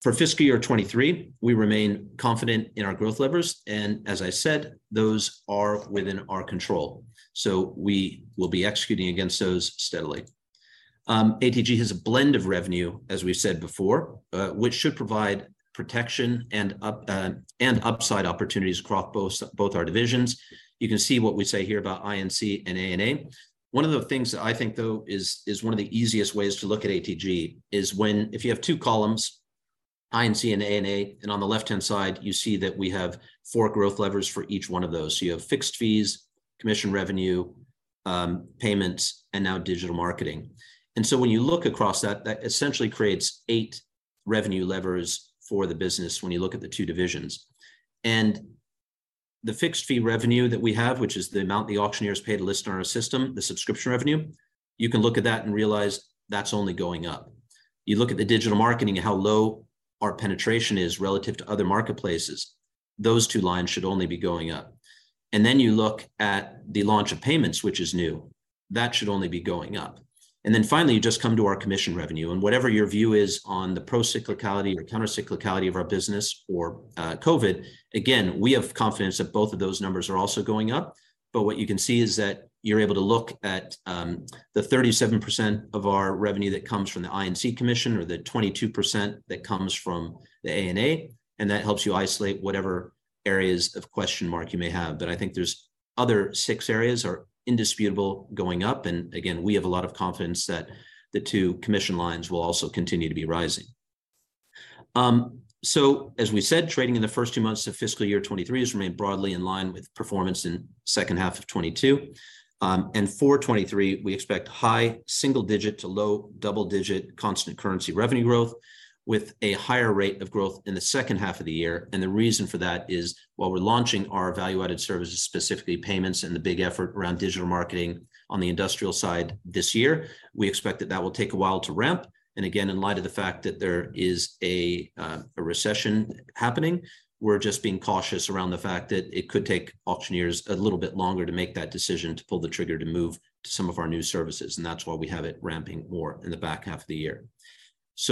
For fiscal year 2023, we remain confident in our growth levers, as I said, those are within our control, we will be executing against those steadily. ATG has a blend of revenue, as we've said before, which should provide protection and upside opportunities across both our divisions. You can see what we say here about INC and ANA. One of the things that I think though is one of the easiest ways to look at ATG is if you have two columns, INC and ANA, and on the left-hand side you see that we have four growth levers for each one of those. You have fixed fees, commission revenue, payments, and now digital marketing. When you look across that essentially creates eight revenue levers for the business when you look at the two divisions. The fixed fee revenue that we have, which is the amount the auctioneers pay to list on our system, the subscription revenue, you can look at that and realize that's only going up. You look at the digital marketing and how low our penetration is relative to other marketplaces, those two lines should only be going up. You look at the launch of payments, which is new, that should only be going up. Finally, you just come to our commission revenue and whatever your view is on the pro-cyclicality or counter-cyclicality of our business or, COVID, again, we have confidence that both of those numbers are also going up. What you can see is that you're able to look at the 37% of our revenue that comes from the INC commission or the 22% that comes from the ANA, and that helps you isolate whatever areas of question mark you may have. I think there's other six areas are indisputable going up, and again, we have a lot of confidence that the two commission lines will also continue to be rising. As we said, trading in the first two months of fiscal year 2023 has remained broadly in line with performance in second half of 2022. For 2023, we expect high single digit to low double digit constant currency revenue growth with a higher rate of growth in the second half of the year. The reason for that is while we're launching our value-added services, specifically payments and the big effort around digital marketing on the industrial side this year, we expect that that will take a while to ramp. Again, in light of the fact that there is a recession happening, we're just being cautious around the fact that it could take auctioneers a little bit longer to make that decision to pull the trigger to move to some of our new services, and that's why we have it ramping more in the back half of the year.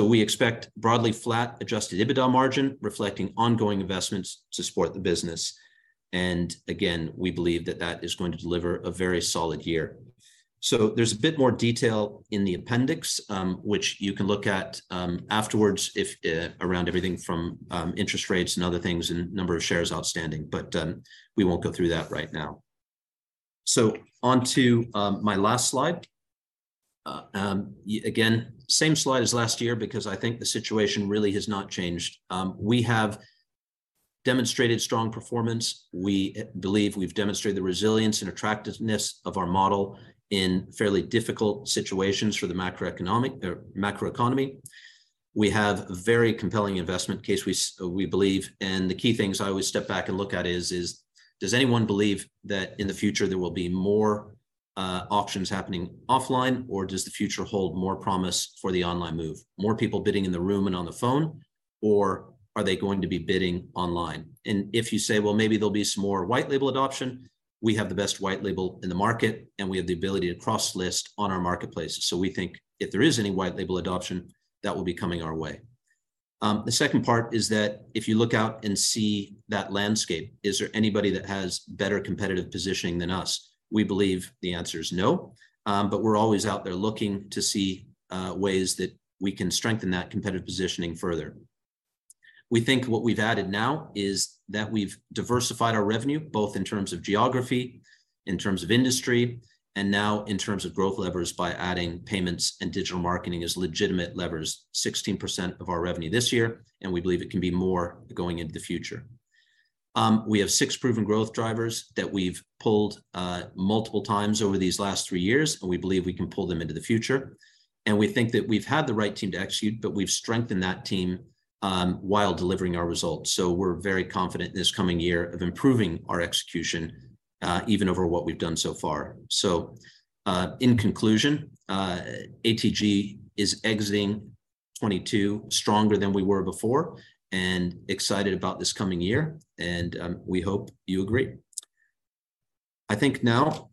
We expect broadly flat adjusted EBITDA margin reflecting ongoing investments to support the business. Again, we believe that that is going to deliver a very solid year. There's a bit more detail in the appendix, which you can look at afterwards if around everything from interest rates and other things and number of shares outstanding. We won't go through that right now. Onto my last slide. Again, same slide as last year because I think the situation really has not changed. We have demonstrated strong performance. We believe we've demonstrated the resilience and attractiveness of our model in fairly difficult situations for the macroeconomic or macroeconomy. We have very compelling investment case we believe. The key things I always step back and look is, does anyone believe that in the future there will be more auctions happening offline, or does the future hold more promise for the online move? More people bidding in the room and on the phone, or are they going to be bidding online? If you say, well, maybe there'll be some more white label adoption, we have the best white label in the market, and we have the ability to cross list on our marketplace. We think if there is any white label adoption, that will be coming our way. The second part is that if you look out and see that landscape, is there anybody that has better competitive positioning than us? We believe the answer is no. We're always out there looking to see, ways that we can strengthen that competitive positioning further. We think what we've added now is that we've diversified our revenue, both in terms of geography, in terms of industry, and now in terms of growth levers by adding payments and digital marketing as legitimate levers, 16% of our revenue this year. We believe it can be more going into the future. We have six proven growth drivers that we've pulled multiple times over these last three years, and we believe we can pull them into the future. We think that we've had the right team to execute, but we've strengthened that team while delivering our results. We're very confident in this coming year of improving our execution even over what we've done so far. In conclusion, ATG is exiting 2022 stronger than we were before and excited about this coming year and we hope you agree. I think now,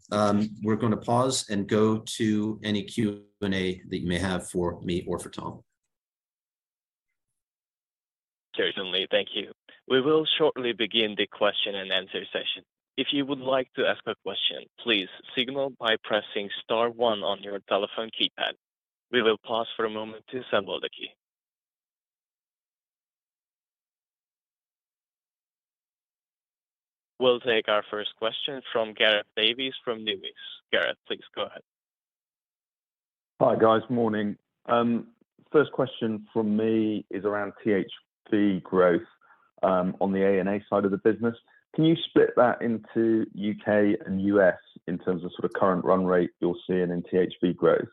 we're gonna pause and go to any Q&A that you may have for me or for Tom. Certainly. Thank you. We will shortly begin the question and answer session. If you would like to ask a question, please signal by pressing star one on your telephone keypad. We will pause for a moment to assemble the queue. We'll take our first question from Gareth Davies from Numis. Gareth, please go ahead. Hi, guys. Morning. First question from me is around THV growth on the A&A side of the business. Can you split that into UK and US in terms of sort of current run rate you're seeing in THV growth,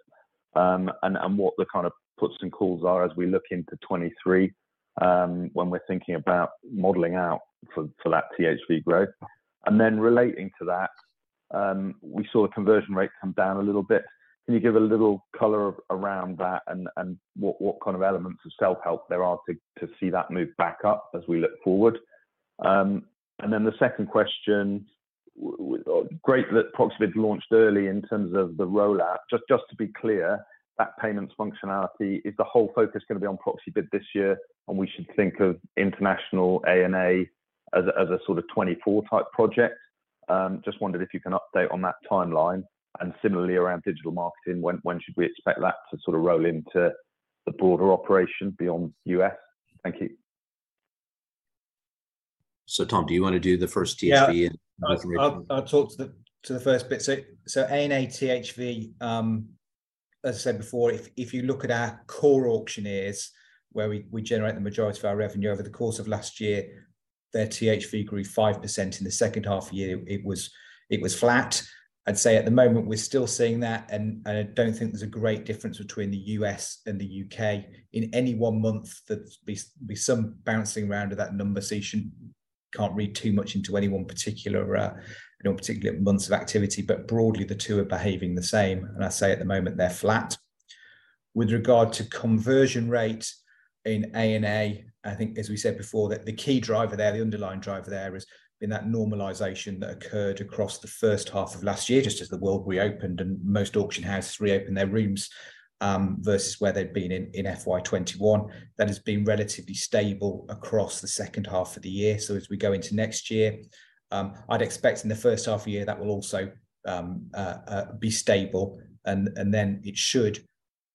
and what the kind of puts and calls are as we look into 2023, when we're thinking about modeling out for that THV growth? Relating to that, we saw the conversion rate come down a little bit. Can you give a little color around that and what kind of elements of self-help there are to see that move back up as we look forward? Then the second question. Well, great that Proxibid's launched early in terms of the rollout. Just to be clear, that payments functionality, is the whole focus gonna be on Proxibid this year, and we should think of international A&A as a, as a sort of 2024-type project? Just wondered if you can update on that timeline. Similarly, around digital marketing, when should we expect that to sort of roll into the broader operation beyond U.S.? Thank you. Tom, do you wanna do the first THV and recommendation? Yeah. I'll talk to the first bit. A&A THV, as I said before, if you look at our core auctioneers where we generate the majority of our revenue, over the course of last year, their THV grew 5%. In the second half year it was flat. I'd say at the moment we're still seeing that, and I don't think there's a great difference between the US and the UK. In any one month, there's be some bouncing around of that number, so you can't read too much into any one particular, you know, particular months of activity. Broadly, the two are behaving the same, and I say at the moment they're flat. With regard to conversion rate in A&A, I think, as we said before, that the key driver there, the underlying driver there has been that normalization that occurred across the first half of last year, just as the world reopened and most auction houses reopened their rooms, versus where they'd been in FY 2021. That has been relatively stable across the second half of the year. As we go into next year, I'd expect in the first half year that will also be stable and then it should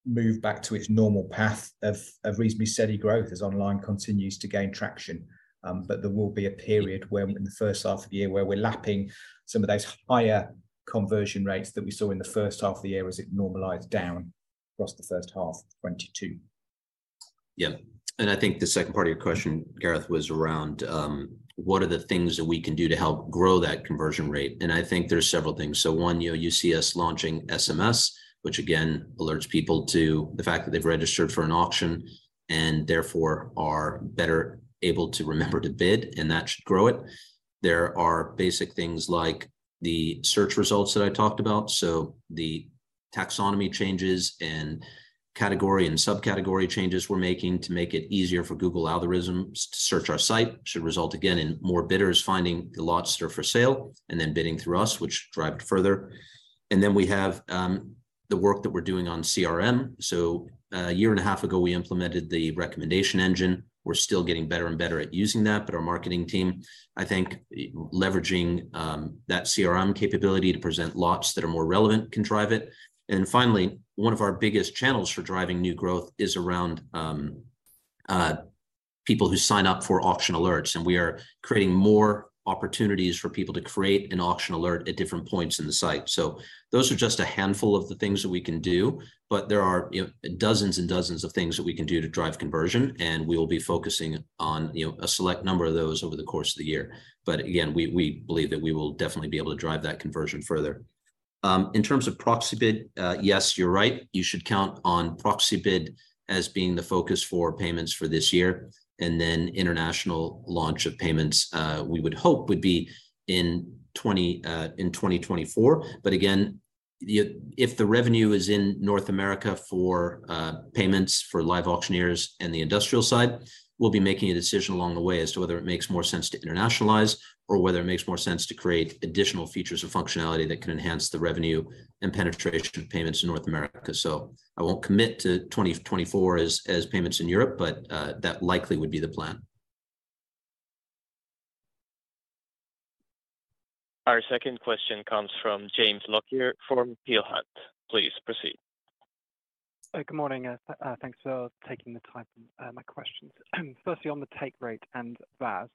move back to its normal path of reasonably steady growth as online continues to gain traction. There will be a period where, in the first half of the year, where we're lapping some of those higher conversion rates that we saw in the first half of the year as it normalized down across the first half of 2022. Yeah. I think the second part of your question, Gareth, was around what are the things that we can do to help grow that conversion rate, and I think there's several things. One, you know, you see us launching SMS, which again alerts people to the fact that they've registered for an auction and therefore are better able to remember to bid, and that should grow it. There are basic things like the search results that I talked about, so the taxonomy changes and category and subcategory changes we're making to make it easier for Google algorithms to search our site should result, again, in more bidders finding the lots that are for sale and then bidding through us, which should drive it further. Then we have the work that we're doing on CRM. A year and a half ago we implemented the recommendation engine. We're still getting better and better at using that, but our marketing team, I think, leveraging that CRM capability to present lots that are more relevant can drive it. Finally, one of our biggest channels for driving new growth is around people who sign up for Auction Alerts, and we are creating more opportunities for people to create an Auction Alert at different points in the site. Those are just a handful of the things that we can do, but there are, you know, dozens and dozens of things that we can do to drive conversion, and we'll be focusing on, you know, a select number of those over the course of the year. Again, we believe that we will definitely be able to drive that conversion further. In terms of Proxibid, yes, you're right. You should count on Proxibid as being the focus for payments for this year, international launch of payments we would hope would be in 2024. Again, you know, if the revenue is in North America for payments for LiveAuctioneers in the industrial side, we'll be making a decision along the way as to whether it makes more sense to internationalize or whether it makes more sense to create additional features or functionality that can enhance the revenue and penetration of payments in North America. I won't commit to 2024 as payments in Europe, but that likely would be the plan. Our second question comes from James Lockyer from Peel Hunt. Please proceed. Good morning. Thanks for taking the time, my questions. Firstly on the take rate and VAS.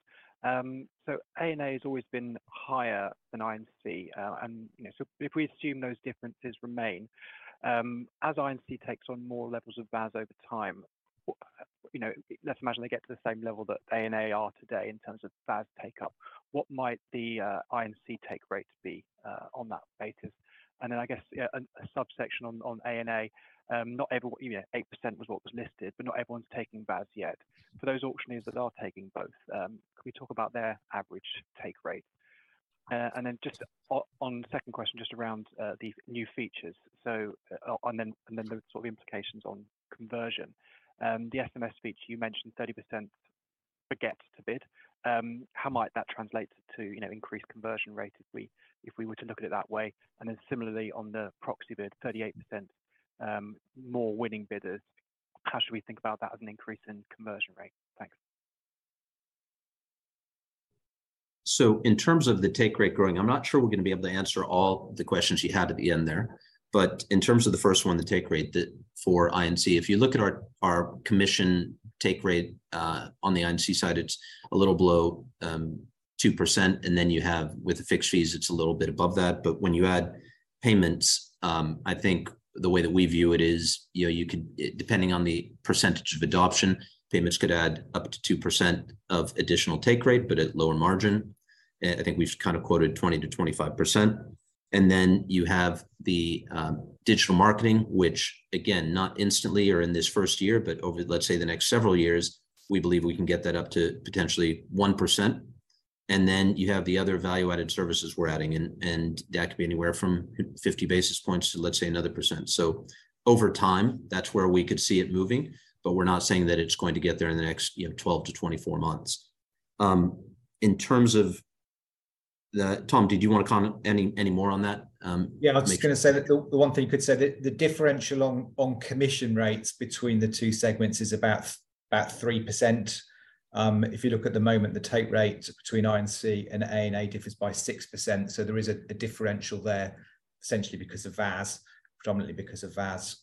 A&A has always been higher than INC, and, you know, if we assume those differences remain, as INC takes on more levels of VAS over time, let's imagine they get to the same level that A&A are today in terms of VAS take-up. What might the INC take rate be on that basis? I guess, a subsection on A&A. Not everyone... You know, 8% was what was listed, but not everyone's taking VAS yet. For those auctioneers that are taking both, can we talk about their average take rate? Then just on the second question, just around the new features. On then the sort of implications on conversion. The SMS feature, you mentioned 30% forget to bid. How might that translate to, you know, increased conversion rate if we, if we were to look at it that way? Similarly on the Proxibid, 38% more winning bidders. How should we think about that as an increase in conversion rate? Thanks. In terms of the take rate growing, I'm not sure we're gonna be able to answer all the questions you had at the end there. In terms of the first one, the take rate for INC, if you look at our commission take rate on the INC side, it's a little below 2%, and then you have with the fixed fees, it's a little bit above that. When you add payments, I think the way that we view it is, you know, you could... Depending on the percentage of adoption, payments could add up to 2% of additional take rate, but at lower margin. I think we've kind of quoted 20%-25%. Then you have the digital marketing, which again, not instantly or in this first year, but over, let's say, the next several years, we believe we can get that up to potentially 1%. Then you have the other value-added services we're adding and that could be anywhere from 50 basis points to, let's say, another percent. Over time, that's where we could see it moving, but we're not saying that it's going to get there in the next, you know, 12-24 months. In terms of the... Tom, did you wanna comment any more on that? Yeah. Make- I was gonna say that the one thing you could say, the differential on commission rates between the two segments is about 3%. If you look at the moment, the take rate between INC and ANA differs by 6%. There is a differential there essentially because of VAS, predominantly because of VAS,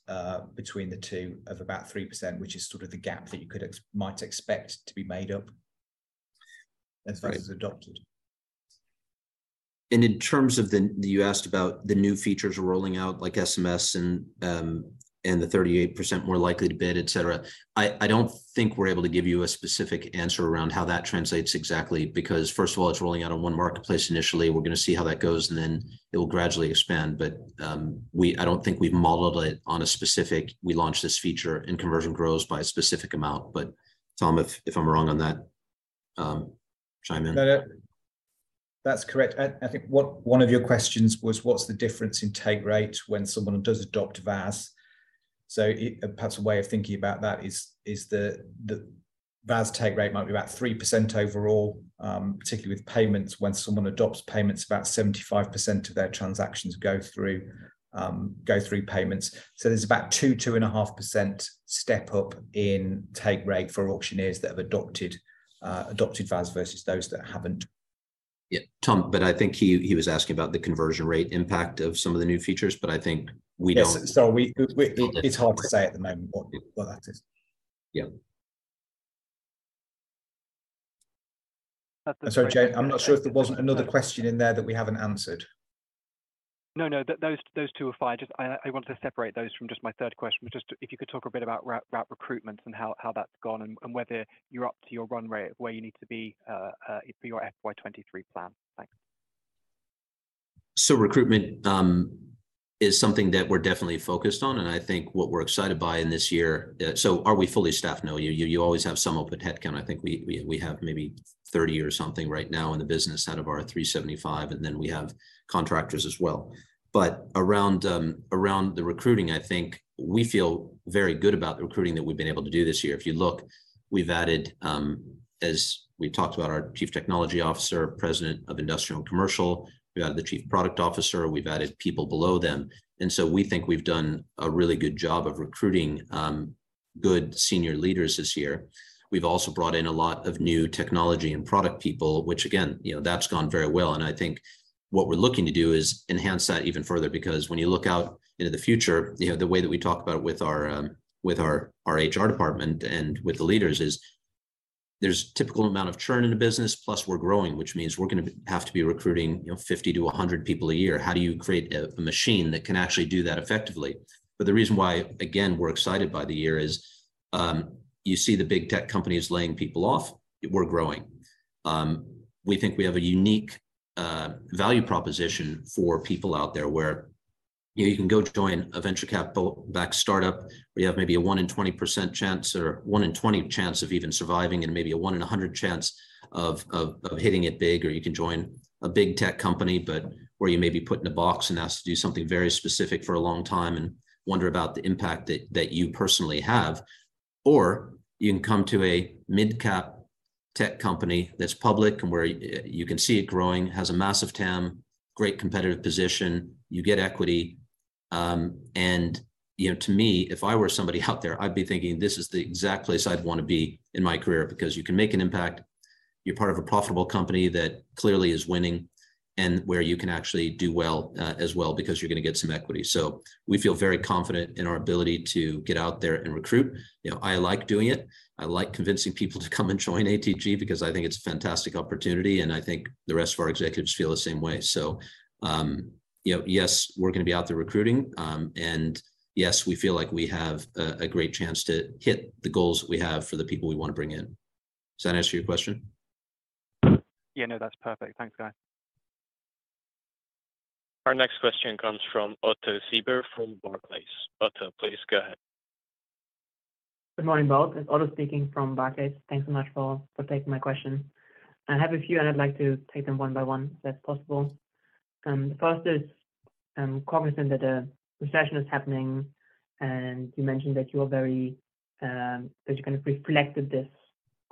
between the two of about 3%, which is sort of the gap that you might expect to be made up as far as. Right adopted. In terms of the, you asked about the new features we're rolling out like SMS and the 38% more likely to bid, et cetera. I don't think we're able to give you a specific answer around how that translates exactly. First of all, it's rolling out on one marketplace initially. We're gonna see how that goes, and then it will gradually expand. I don't think we've modeled it on a specific, we launched this feature and conversion grows by a specific amount. Tom, if I'm wrong on that, chime in. No, no. That's correct. I think one of your questions was what's the difference in take rate when someone does adopt VAS? Perhaps a way of thinking about that is the VAS take rate might be about 3% overall, particularly with payments. When someone adopts payments, about 75% of their transactions go through payments. There's about 2.5% step up in take rate for auctioneers that have adopted VAS versus those that haven't. Yeah. Tom, I think he was asking about the conversion rate impact of some of the new features, but I think we don't- Yes. We don't have- It's hard to say at the moment what that is. Yeah. Sorry, James, I'm not sure if there wasn't another question in there that we haven't answered. No, no. Those two are fine. Just I want to separate those from just my third question, which is if you could talk a bit about recruiter recruitment and how that's gone and whether you're up to your run rate where you need to be for your FY 2023 plan. Thanks. Recruitment is something that we're definitely focused on, and I think what we're excited by in this year. Are we fully staffed? No. You always have some open headcount. I think we have maybe 30 or something right now in the business out of our 375, and then we have contractors as well. Around the recruiting, I think we feel very good about the recruiting that we've been able to do this year. If you look, we've added, as we talked about our chief technology officer, president of industrial and commercial. We added the chief product officer. We've added people below them, and we think we've done a really good job of recruiting good senior leaders this year. We've also brought in a lot of new technology and product people, which again, you know, that's gone very well, and I think what we're looking to do is enhance that even further. When you look out into the future, you know, the way that we talk about with our, with our HR department and with the leaders is there's typical amount of churn in the business, plus we're growing, which means we're gonna have to be recruiting, you know, 50 to 100 people a year. How do you create a machine that can actually do that effectively? The reason why, again, we're excited by the year is, you see the big tech companies laying people off. We're growing. We think we have a unique value proposition for people out there where, you know, you can go join a venture capital-backed startup, where you have maybe a one in 20% chance or one in 20 chance of even surviving and maybe a one in 100 chance of hitting it big, or you can join a big tech company, but where you may be put in a box and asked to do something very specific for a long time and wonder about the impact that you personally have. You can come to a midcap tech company that's public and where you can see it growing, has a massive TAM, great competitive position. You get equity. You know, to me, if I were somebody out there, I'd be thinking, "This is the exact place I'd wanna be in my career," because you can make an impact. You're part of a profitable company that clearly is winning, and where you can actually do well, as well because you're gonna get some equity. We feel very confident in our ability to get out there and recruit. You know, I like doing it. I like convincing people to come and join ATG because I think it's a fantastic opportunity, and I think the rest of our executives feel the same way. You know, yes, we're gonna be out there recruiting. Yes, we feel like we have a great chance to hit the goals we have for the people we wanna bring in. Does that answer your question? Yeah. No, that's perfect. Thanks, guys. Our next question comes from Otto Sieber from Barclays. Otto, please go ahead. Good morning, both. It's Otto speaking from Barclays. Thanks so much for taking my question. I have a few. I'd like to take them one by one if that's possible. First is, cognizant that a recession is happening. You mentioned that you are very. That you kind of reflected this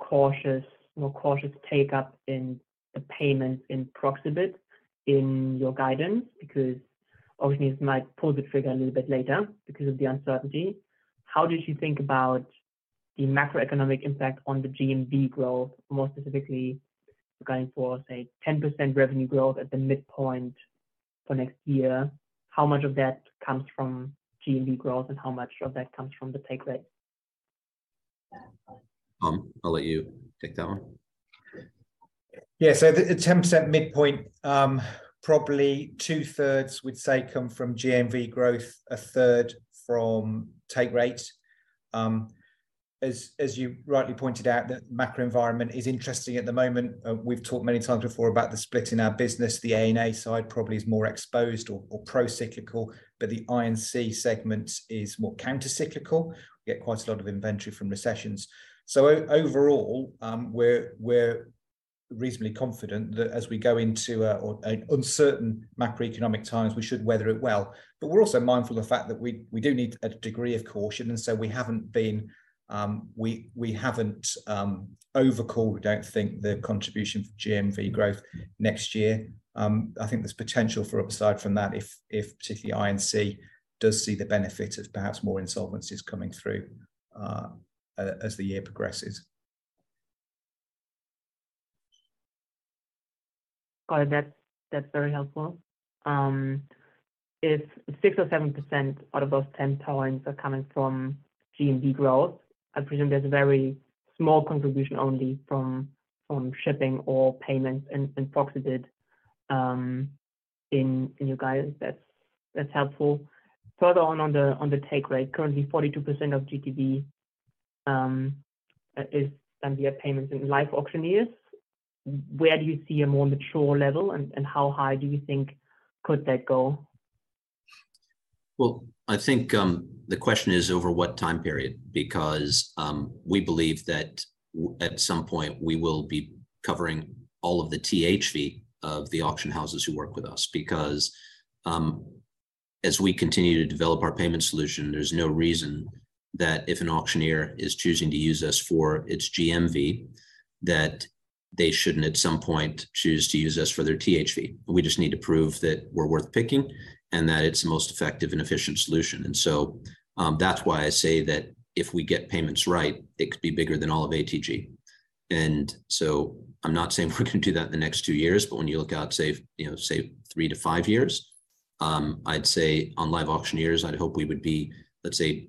cautious, more cautious take-up in the payments in Proxibid in your guidance because auctioneers might pull the trigger a little bit later because of the uncertainty. How did you think aboutThe macroeconomic impact on the GMV growth, more specifically going for, say, 10% revenue growth at the midpoint for next year, how much of that comes from GMV growth, and how much of that comes from the take rate? I'll let you take that one. The, the 10% midpoint, probably 2/3 we'd say come from GMV growth, 1/3 from take rate. As, as you rightly pointed out, the macro environment is interesting at the moment. We've talked many times before about the split in our business. The ANA side probably is more exposed or pro-cyclical, but the INC segment is more counter-cyclical. We get quite a lot of inventory from recessions. Overall, we're reasonably confident that as we go into an uncertain macroeconomic times, we should weather it well. We're also mindful of the fact that we do need a degree of caution, and so we haven't been, we haven't over-called, we don't think the contribution for GMV growth next year. I think there's potential for upside from that if particularly INC does see the benefit of perhaps more insolvencies coming through, as the year progresses. Oh, that's very helpful. If 6% or 7% out of those 10 points are coming from GMV growth, I presume there's a very small contribution only from shipping or payments and Proxibid in your guidance. That's helpful. Further on the take rate, currently 42% of GTV is done via payments and LiveAuctioneers. Where do you see a more mature level, and how high do you think could that go? Well, I think, the question is over what time period. We believe that at some point we will be covering all of the THV of the auction houses who work with us. As we continue to develop our payment solution, there's no reason that if an auctioneer is choosing to use us for its GMV, that they shouldn't at some point choose to use us for their THV. We just need to prove that we're worth picking and that it's the most effective and efficient solution. That's why I say that if we get payments right, it could be bigger than all of ATG. I'm not saying we're gonna do that in the next two years, but when you look out, say, you know, say three to five years, I'd say on LiveAuctioneers, I'd hope we would be, let's say,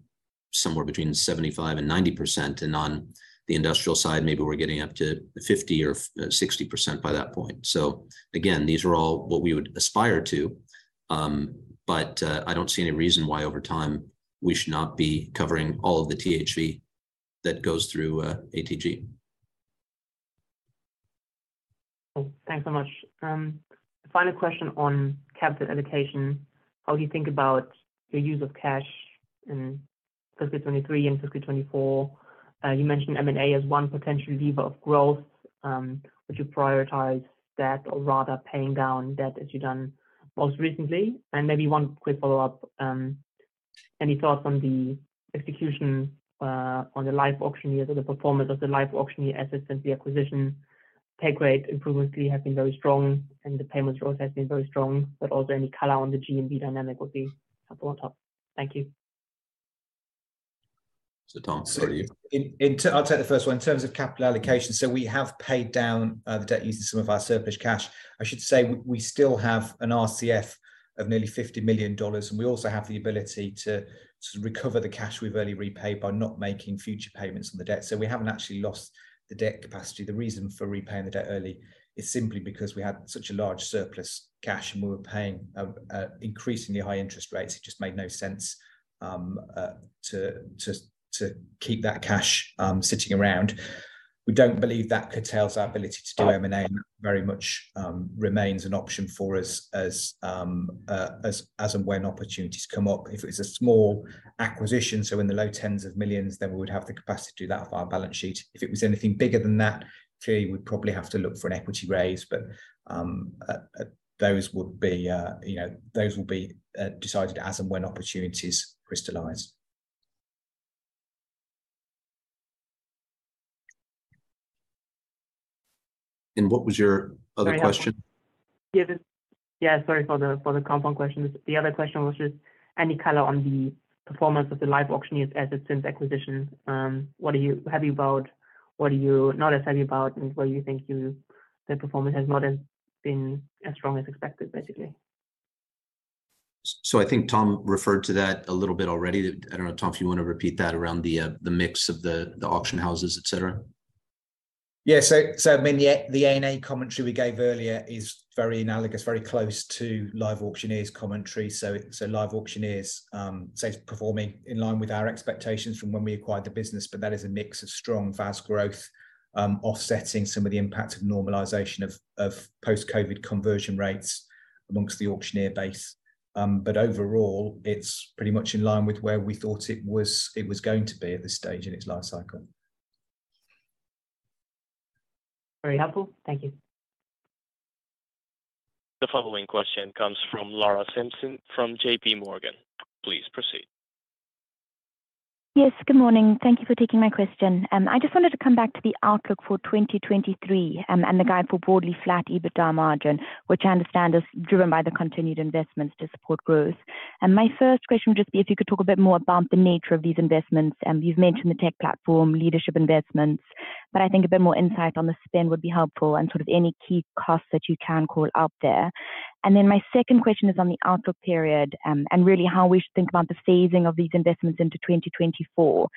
somewhere between 75% and 90%. On the industrial side, maybe we're getting up to 50% or 60% by that point. Again, these are all what we would aspire to, but I don't see any reason why over time we should not be covering all of the THV that goes through ATG. Cool. Thanks so much. Final question on capital allocation. How do you think about your use of cash in fiscal 2023 and fiscal 2024? You mentioned M&A as one potential lever of growth. Would you prioritize that or rather paying down debt as you've done most recently? Maybe one quick follow-up, any thoughts on the execution on the LiveAuctioneers, so the performance of the LiveAuctioneers since the acquisition take rate improvements really have been very strong and the payments growth has been very strong, but also any color on the GMV dynamic would be helpful on top. Thank you. Tom, that's for you. I'll take the first one. In terms of capital allocation, we have paid down the debt using some of our surplus cash. I should say we still have an RCF of nearly $50 million, we also have the ability to sort of recover the cash we've early repaid by not making future payments on the debt. We haven't actually lost the debt capacity. The reason for repaying the debt early is simply because we had such a large surplus cash, we were paying increasingly high interest rates. It just made no sense to keep that cash sitting around. We don't believe that curtails our ability to do M&A. That very much remains an option for us as and when opportunities come up. If it's a small acquisition, so in the low tens of millions GBP, then we would have the capacity to do that off our balance sheet. If it was anything bigger than that, clearly we'd probably have to look for an equity raise. Those would be, you know, those will be decided as and when opportunities crystallize. What was your other question? Sorry. Yeah, sorry for the compound questions. The other question was just any color on the performance of LiveAuctioneers as since acquisition. What are you happy about? What are you not as happy about? What do you think the performance has not as been as strong as expected, basically. I think Tom referred to that a little bit already. I don't know, Tom, if you wanna repeat that around the mix of the auction houses, et cetera. I mean, the ANA commentary we gave earlier is very analogous, very close to LiveAuctioneers commentary. LiveAuctioneers, so it's performing in line with our expectations from when we acquired the business, but that is a mix of strong, fast growth, offsetting some of the impact of normalization of post-COVID conversion rates amongst the auctioneer base. Overall, it's pretty much in line with where we thought it was going to be at this stage in its life cycle. Very helpful. Thank you. The following question comes from Lara Simpson from J.P. Morgan. Please proceed. Yes. Good morning. Thank you for taking my question. I just wanted to come back to the outlook for 2023 and the guide for broadly flat EBITDA margin, which I understand is driven by the continued investments to support growth. My first question would just be if you could talk a bit more about the nature of these investments. You've mentioned the tech platform, leadership investments. I think a bit more insight on the spend would be helpful, and sort of any key costs that you can call out there. My second question is on the outlook period, and really how we should think about the phasing of these investments into 2024,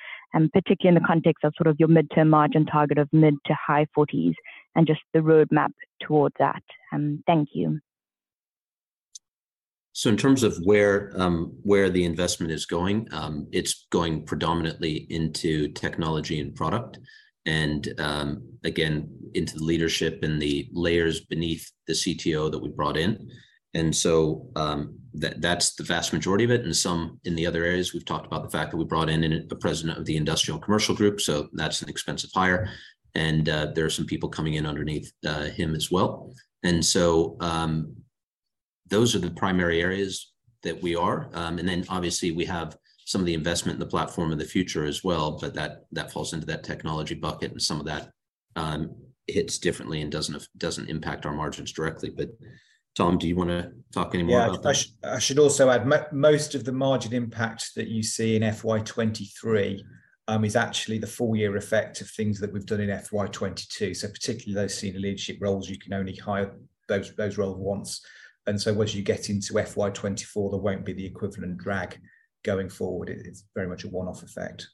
particularly in the context of sort of your midterm margin target of mid to high forties, and just the roadmap towards that. Thank you. In terms of where the investment is going, it's going predominantly into technology and product and again, into the leadership and the layers beneath the CTO that we brought in. That's the vast majority of it. Some in the other areas, we've talked about the fact that we brought in a president of the industrial and commercial group, so that's an expensive hire. There are some people coming in underneath him as well. Those are the primary areas that we are. Obviously we have some of the investment in the platform in the future as well, but that falls into that technology bucket, and some of that hits differently and doesn't impact our margins directly. Tom, do you wanna talk any more about that? I should also add, most of the margin impact that you see in FY 2023, is actually the full year effect of things that we've done in FY 2022. Particularly those senior leadership roles, you can only hire those roles once. As you get into FY 2024, there won't be the equivalent drag going forward. It's very much a one-off effect.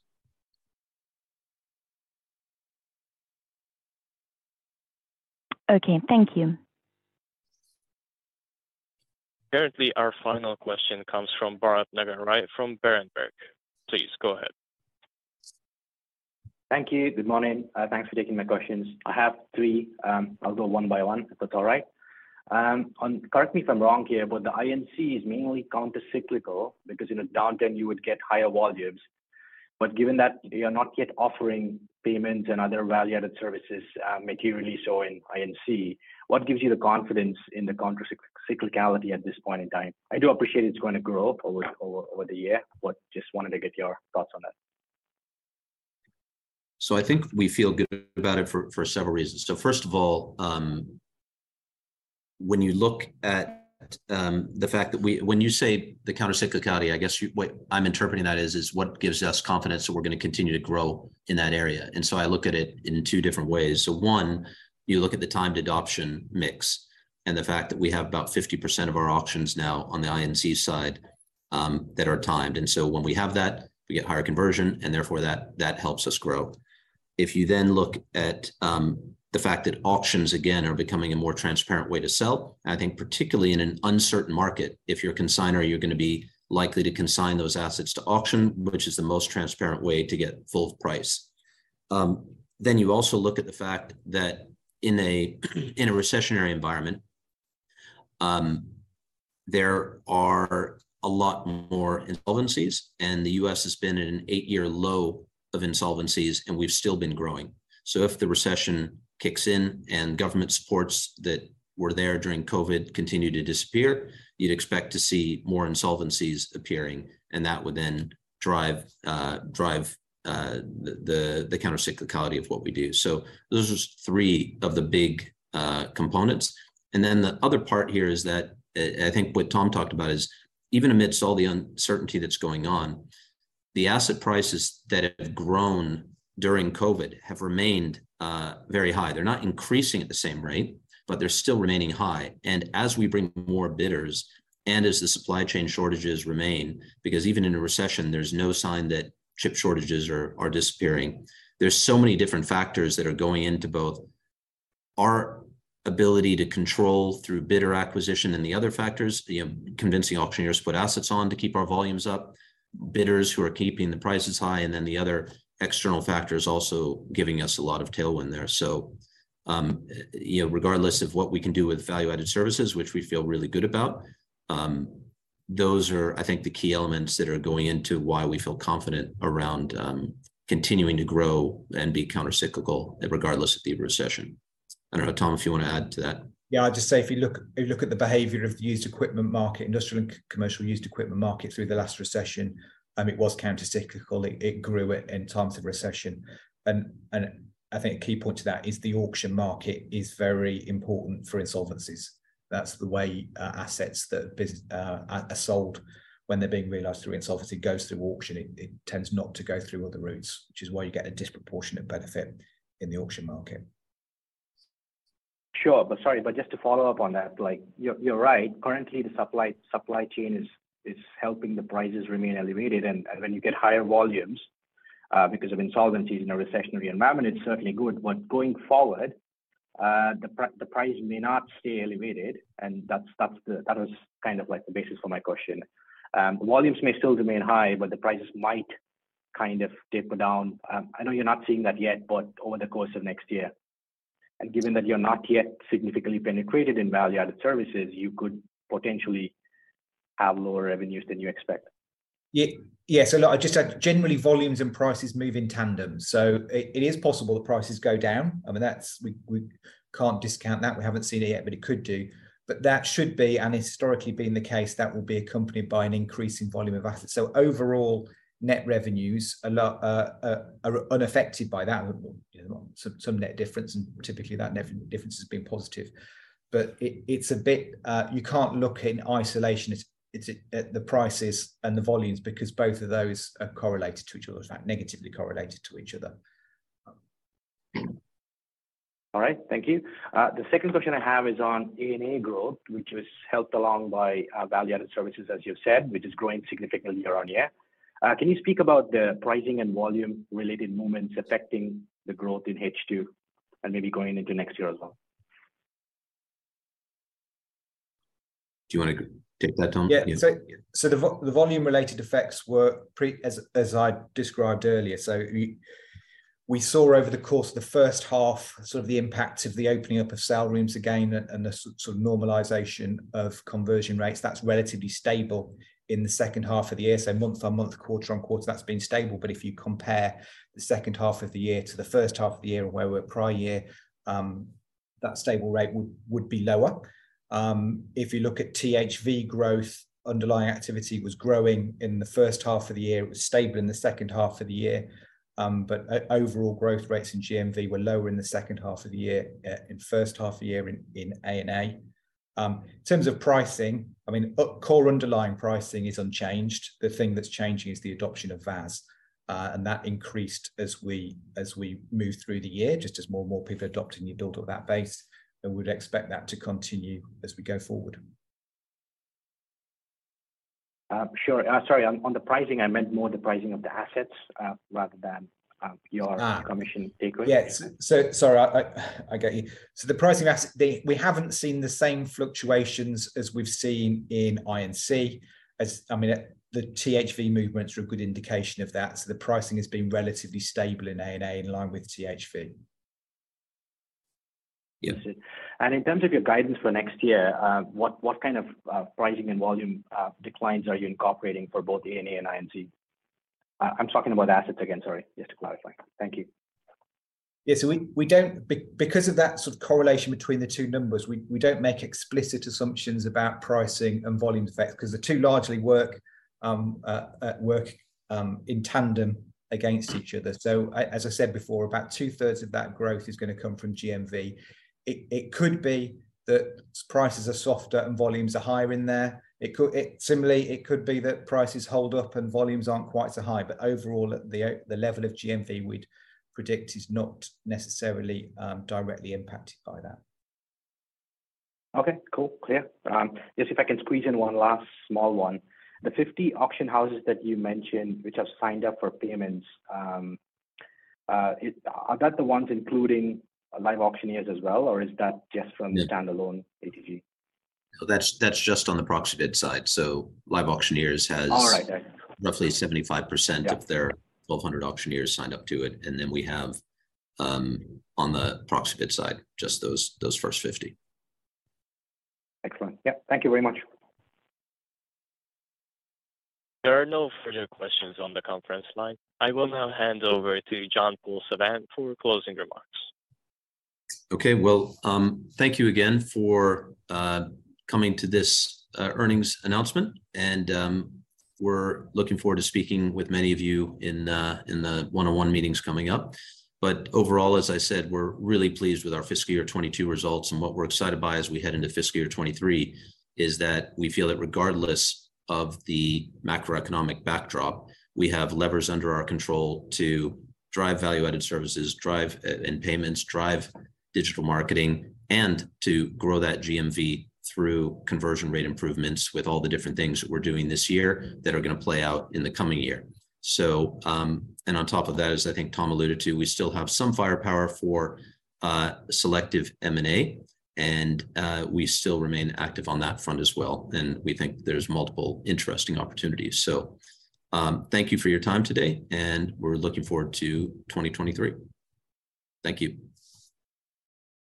Okay. Thank you. Apparently, our final question comes from Bharat Nagaraj from Berenberg. Please go ahead. Thank you. Good morning. Thanks for taking my questions. I have three. I'll go one by one, if that's all right. Correct me if I'm wrong here, but the INC is mainly countercyclical because in a downturn you would get higher volumes. Given that you're not yet offering payments and other value-added services, materially so in INC, what gives you the confidence in the cyclicality at this point in time? I do appreciate it's going to grow over the year, just wanted to get your thoughts on that. I think we feel good about it for several reasons. First of all, When you say the countercyclicality, I guess what I'm interpreting that is what gives us confidence that we're gonna continue to grow in that area. I look at it in two different ways. One, you look at the timed adoption mix and the fact that we have about 50% of our auctions now on the INC side that are timed. When we have that, we get higher conversion and therefore that helps us grow. If you then look at the fact that auctions, again, are becoming a more transparent way to sell, I think particularly in an uncertain market, if you're a consignor, you're gonna be likely to consign those assets to auction, which is the most transparent way to get full price. You also look at the fact that in a recessionary environment, there are a lot more insolvencies, and the U.S. has been at an eight-year low of insolvencies, and we've still been growing. If the recession kicks in and government supports that were there during COVID continue to disappear, you'd expect to see more insolvencies appearing, and that would then drive the countercyclicality of what we do. Those are three of the big components. The other part here is that, I think what Tom talked about is even amidst all the uncertainty that's going on, the asset prices that have grown during COVID have remained very high. They're not increasing at the same rate, but they're still remaining high. As we bring more bidders, and as the supply chain shortages remain, because even in a recession, there's no sign that chip shortages are disappearing. There's so many different factors that are going into both our ability to control through bidder acquisition and the other factors, the convincing auctioneers to put assets on to keep our volumes up, bidders who are keeping the prices high, the other external factors also giving us a lot of tailwind there. You know, regardless of what we can do with value-added services, which we feel really good about, those are, I think, the key elements that are going into why we feel confident around, continuing to grow and be countercyclical regardless of the recession. I don't know, Tom, if you want to add to that? Yeah. I'd just say if you look at the behavior of the used equipment market, industrial and commercial used equipment market through the last recession, it was countercyclical. It grew in times of recession. I think a key point to that is the auction market is very important for insolvencies. That's the way assets that are sold when they're being realized through insolvency goes through auction. It tends not to go through other routes, which is why you get a disproportionate benefit in the auction market. Sure. Sorry, but just to follow up on that, like, you're right. Currently the supply chain is helping the prices remain elevated. When you get higher volumes, because of insolvencies in a recessionary environment, it's certainly good. Going forward, the price may not stay elevated, and that was kind of like the basis for my question. Volumes may still remain high, but the prices might kind of taper down. I know you're not seeing that yet, but over the course of next year, and given that you're not yet significantly penetrated in value-added services, you could potentially have lower revenues than you expect. Yeah. Yeah. Look, I'd just add, generally, volumes and prices move in tandem. It, it is possible the prices go down. I mean, that's, we can't discount that. We haven't seen it yet, but it could do. That should be, and historically been the case, that will be accompanied by an increase in volume of assets. Overall net revenues are unaffected by that. Well, you know, some net difference, and typically that difference has been positive. It's a bit. You can't look in isolation it's at the prices and the volumes because both of those are correlated to each other. In fact, negatively correlated to each other. All right. Thank you. The second question I have is on A&A growth, which was helped along by value-added services, as you've said, which is growing significantly year on year. Can you speak about the pricing and volume related movements affecting the growth in H2 and maybe going into next year as well? Do you wanna take that, Tom? The volume related effects were as I described earlier. We saw over the course of the first half, sort of the impact of the opening up of sale rooms again and the sort of normalization of conversion rates that's relatively stable in the second half of the year. Month-on-month, quarter-on-quarter, that's been stable. If you compare the second half of the year to the first half of the year where we're prior year, that stable rate would be lower. If you look at THV growth, underlying activity was growing in the first half of the year. It was stable in the second half of the year. Overall growth rates in GMV were lower in the second half of the year, in first half of the year in A&A. In terms of pricing, I mean, core underlying pricing is unchanged. The thing that's changing is the adoption of VAS, and that increased as we moved through the year, just as more and more people adopting it built up that base, and would expect that to continue as we go forward. Sure. Sorry, on the pricing, I meant more the pricing of the assets, rather than. Ah. commission take rate. Yeah. Sorry, I get you. The pricing of asset, we haven't seen the same fluctuations as we've seen in INC. I mean, the THV movements are a good indication of that. The pricing has been relatively stable in A&A in line with THV. Understood. Yeah. In terms of your guidance for next year, what kind of pricing and volume declines are you incorporating for both A&A and INC? I'm talking about assets again, sorry, just to clarify. Thank you. Yeah. We don't because of that sort of correlation between the two numbers, we don't make explicit assumptions about pricing and volume effects 'cause the two largely work in tandem against each other. As I said before, about two-thirds of that growth is gonna come from GMV. It could be that prices are softer and volumes are higher in there. It similarly, it could be that prices hold up and volumes aren't quite so high. But overall at the level of GMV we'd predict is not necessarily directly impacted by that. Okay. Cool, clear. Just if I can squeeze in one last small one. The 50 auction houses that you mentioned which have signed up for payments, are that the ones including LiveAuctioneers as well, or is that just? Yeah. standalone ATG? No, that's just on the Proxibid side. All right. roughly 75% Yeah. -of their 1,200 auctioneers signed up to it, and then we have on the Proxibid side, just those first 50. Excellent. Yeah. Thank you very much. There are no further questions on the conference line. I will now hand over to John-Paul Savant for closing remarks. Okay. Well, thank you again for coming to this earnings announcement and we're looking forward to speaking with many of you in the one-on-one meetings coming up. Overall, as I said, we're really pleased with our fiscal year 2022 results. What we're excited by as we head into fiscal year 2023 is that we feel that regardless of the macroeconomic backdrop, we have levers under our control to drive value-added services, drive and payments, drive digital marketing, and to grow that GMV through conversion rate improvements with all the different things that we're doing this year that are gonna play out in the coming year. On top of that, as I think Tom alluded to, we still have some firepower for selective M&A, and we still remain active on that front as well, and we think there's multiple interesting opportunities. Thank you for your time today, and we're looking forward to 2023. Thank you.